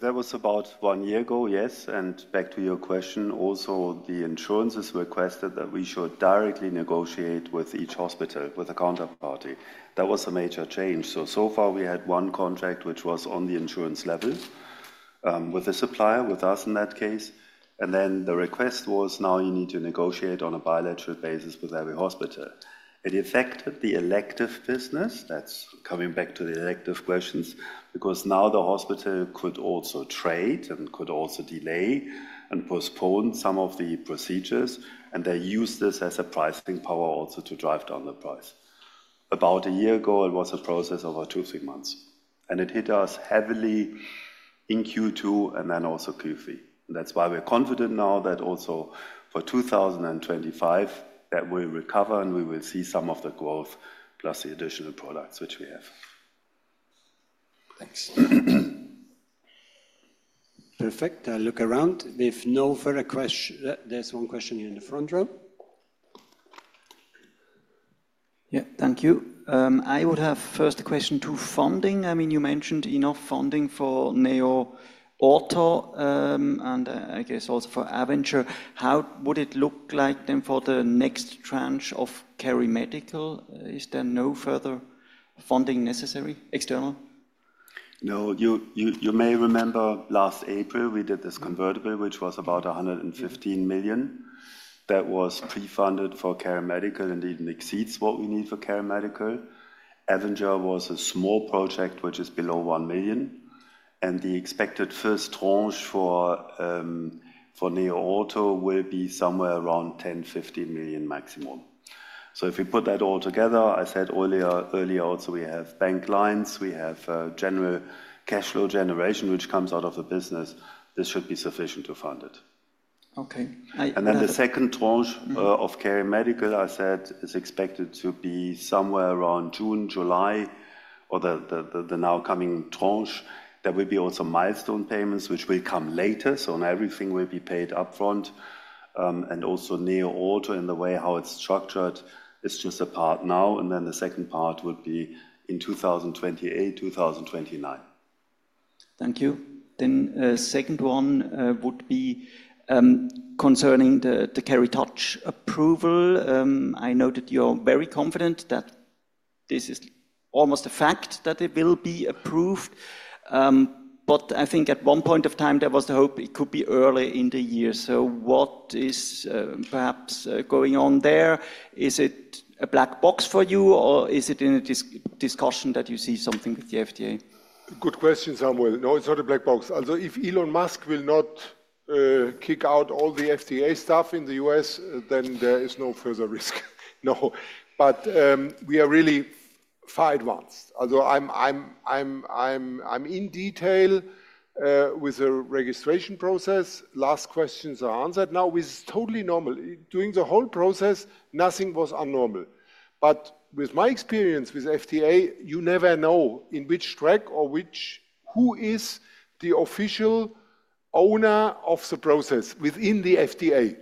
That was about one year ago, yes. Back to your question, also the insurances requested that we should directly negotiate with each hospital, with a counterparty. That was a major change. So far we had one contract which was on the insurance level with the supplier, with us in that case. The request was now you need to negotiate on a bilateral basis with every hospital. It affected the elective business. That is coming back to the elective questions because now the hospital could also trade and could also delay and postpone some of the procedures. They use this as a pricing power also to drive down the price. About a year ago, it was a process of two, three months. It hit us heavily in Q2 and then also Q3. That is why we are confident now that also for 2025 that we recover and we will see some of the growth plus the additional products which we have. Thanks. Perfect. I look around. We have no further questions. There is one question here in the front row. Yeah, thank you. I would have first a question to funding. I mean, you mentioned enough funding for NeoOrtho and I guess also for Aventure. How would it look like then for the next tranche of KeriMedical? Is there no further funding necessary, external? No, you may remember last April we did this convertible, which was about 115 million. That was pre-funded for KeriMedical and it exceeds what we need for KeriMedical. Aventure was a small project which is below 1 million. The expected first tranche for NeoOrtho will be somewhere around 10-15 million maximum. If we put that all together, I said earlier also we have bank lines, we have general cash flow generation which comes out of the business. This should be sufficient to fund it. Okay. The second tranche of KeriMedical, I said, is expected to be somewhere around June, July, or the now coming tranche. There will be also milestone payments which will come later. Everything will be paid upfront. Also, NeoOrtho in the way how it's structured is just a part now. The second part would be in 2028, 2029. Thank you. The second one would be concerning the KeriTouch approval. I know that you're very confident that this is almost a fact that it will be approved. I think at one point of time there was the hope it could be early in the year. What is perhaps going on there? Is it a black box for you or is it in a discussion that you see something with the FDA? Good question, Samuel. No, it's not a black box. Although if Elon Musk will not kick out all the FDA staff in the U.S., then there is no further risk. No. We are really far advanced. I am in detail with the registration process. Last questions are answered. This is totally normal. During the whole process, nothing was abnormal. With my experience with the FDA, you never know in which track or who is the official owner of the process within the FDA.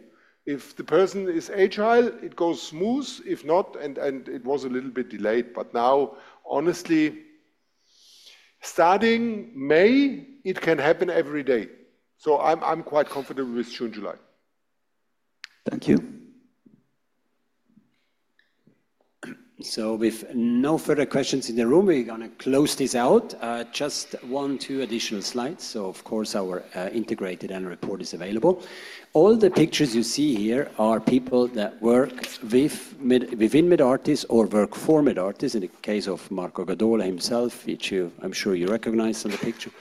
If the person is agile, it goes smooth. If not, and it was a little bit delayed. Now, honestly, starting May, it can happen every day. I'm quite comfortable with June-July. Thank you. With no further questions in the room, we're going to close this out. Just one or two additional slides. Our integrated annual report is available. All the pictures you see here are people that work within Medartis or work for Medartis. In the case of Marco Gadola himself, which I'm sure you recognize on the picture.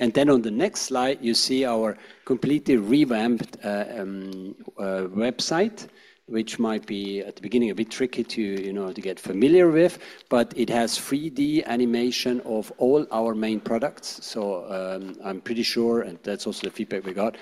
On the next slide, you see our completely revamped website, which might be at the beginning a bit tricky to get familiar with, but it has 3D animation of all our main products. I'm pretty sure, and that's also the feedback we got,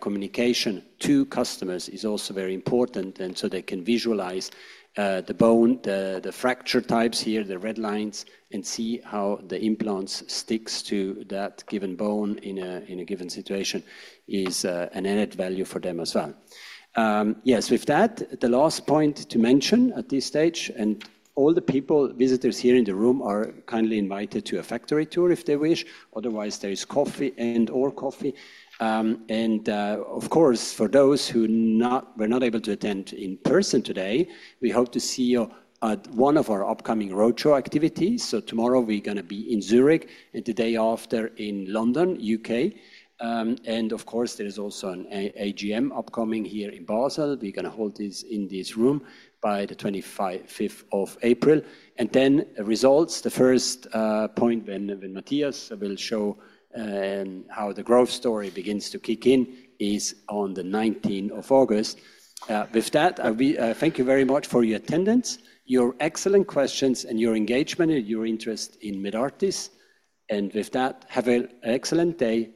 communication to customers is also very important. They can visualize the bone, the fracture types here, the red lines, and see how the implants stick to that given bone in a given situation is an added value for them as well. Yes, with that, the last point to mention at this stage, all the people, visitors here in the room are kindly invited to a factory tour if they wish. Otherwise, there is coffee and/or coffee. Of course, for those who were not able to attend in person today, we hope to see you at one of our upcoming roadshow activities. Tomorrow we are going to be in Zürich and the day after in London, U.K. Of course, there is also an AGM upcoming here in Basel. We are going to hold this in this room by the 25th of April. The first point when Matthias will show how the growth story begins to kick in is on the 19th of August. With that, I thank you very much for your attendance, your excellent questions, your engagement, and your interest in Medartis. With that, have an excellent day.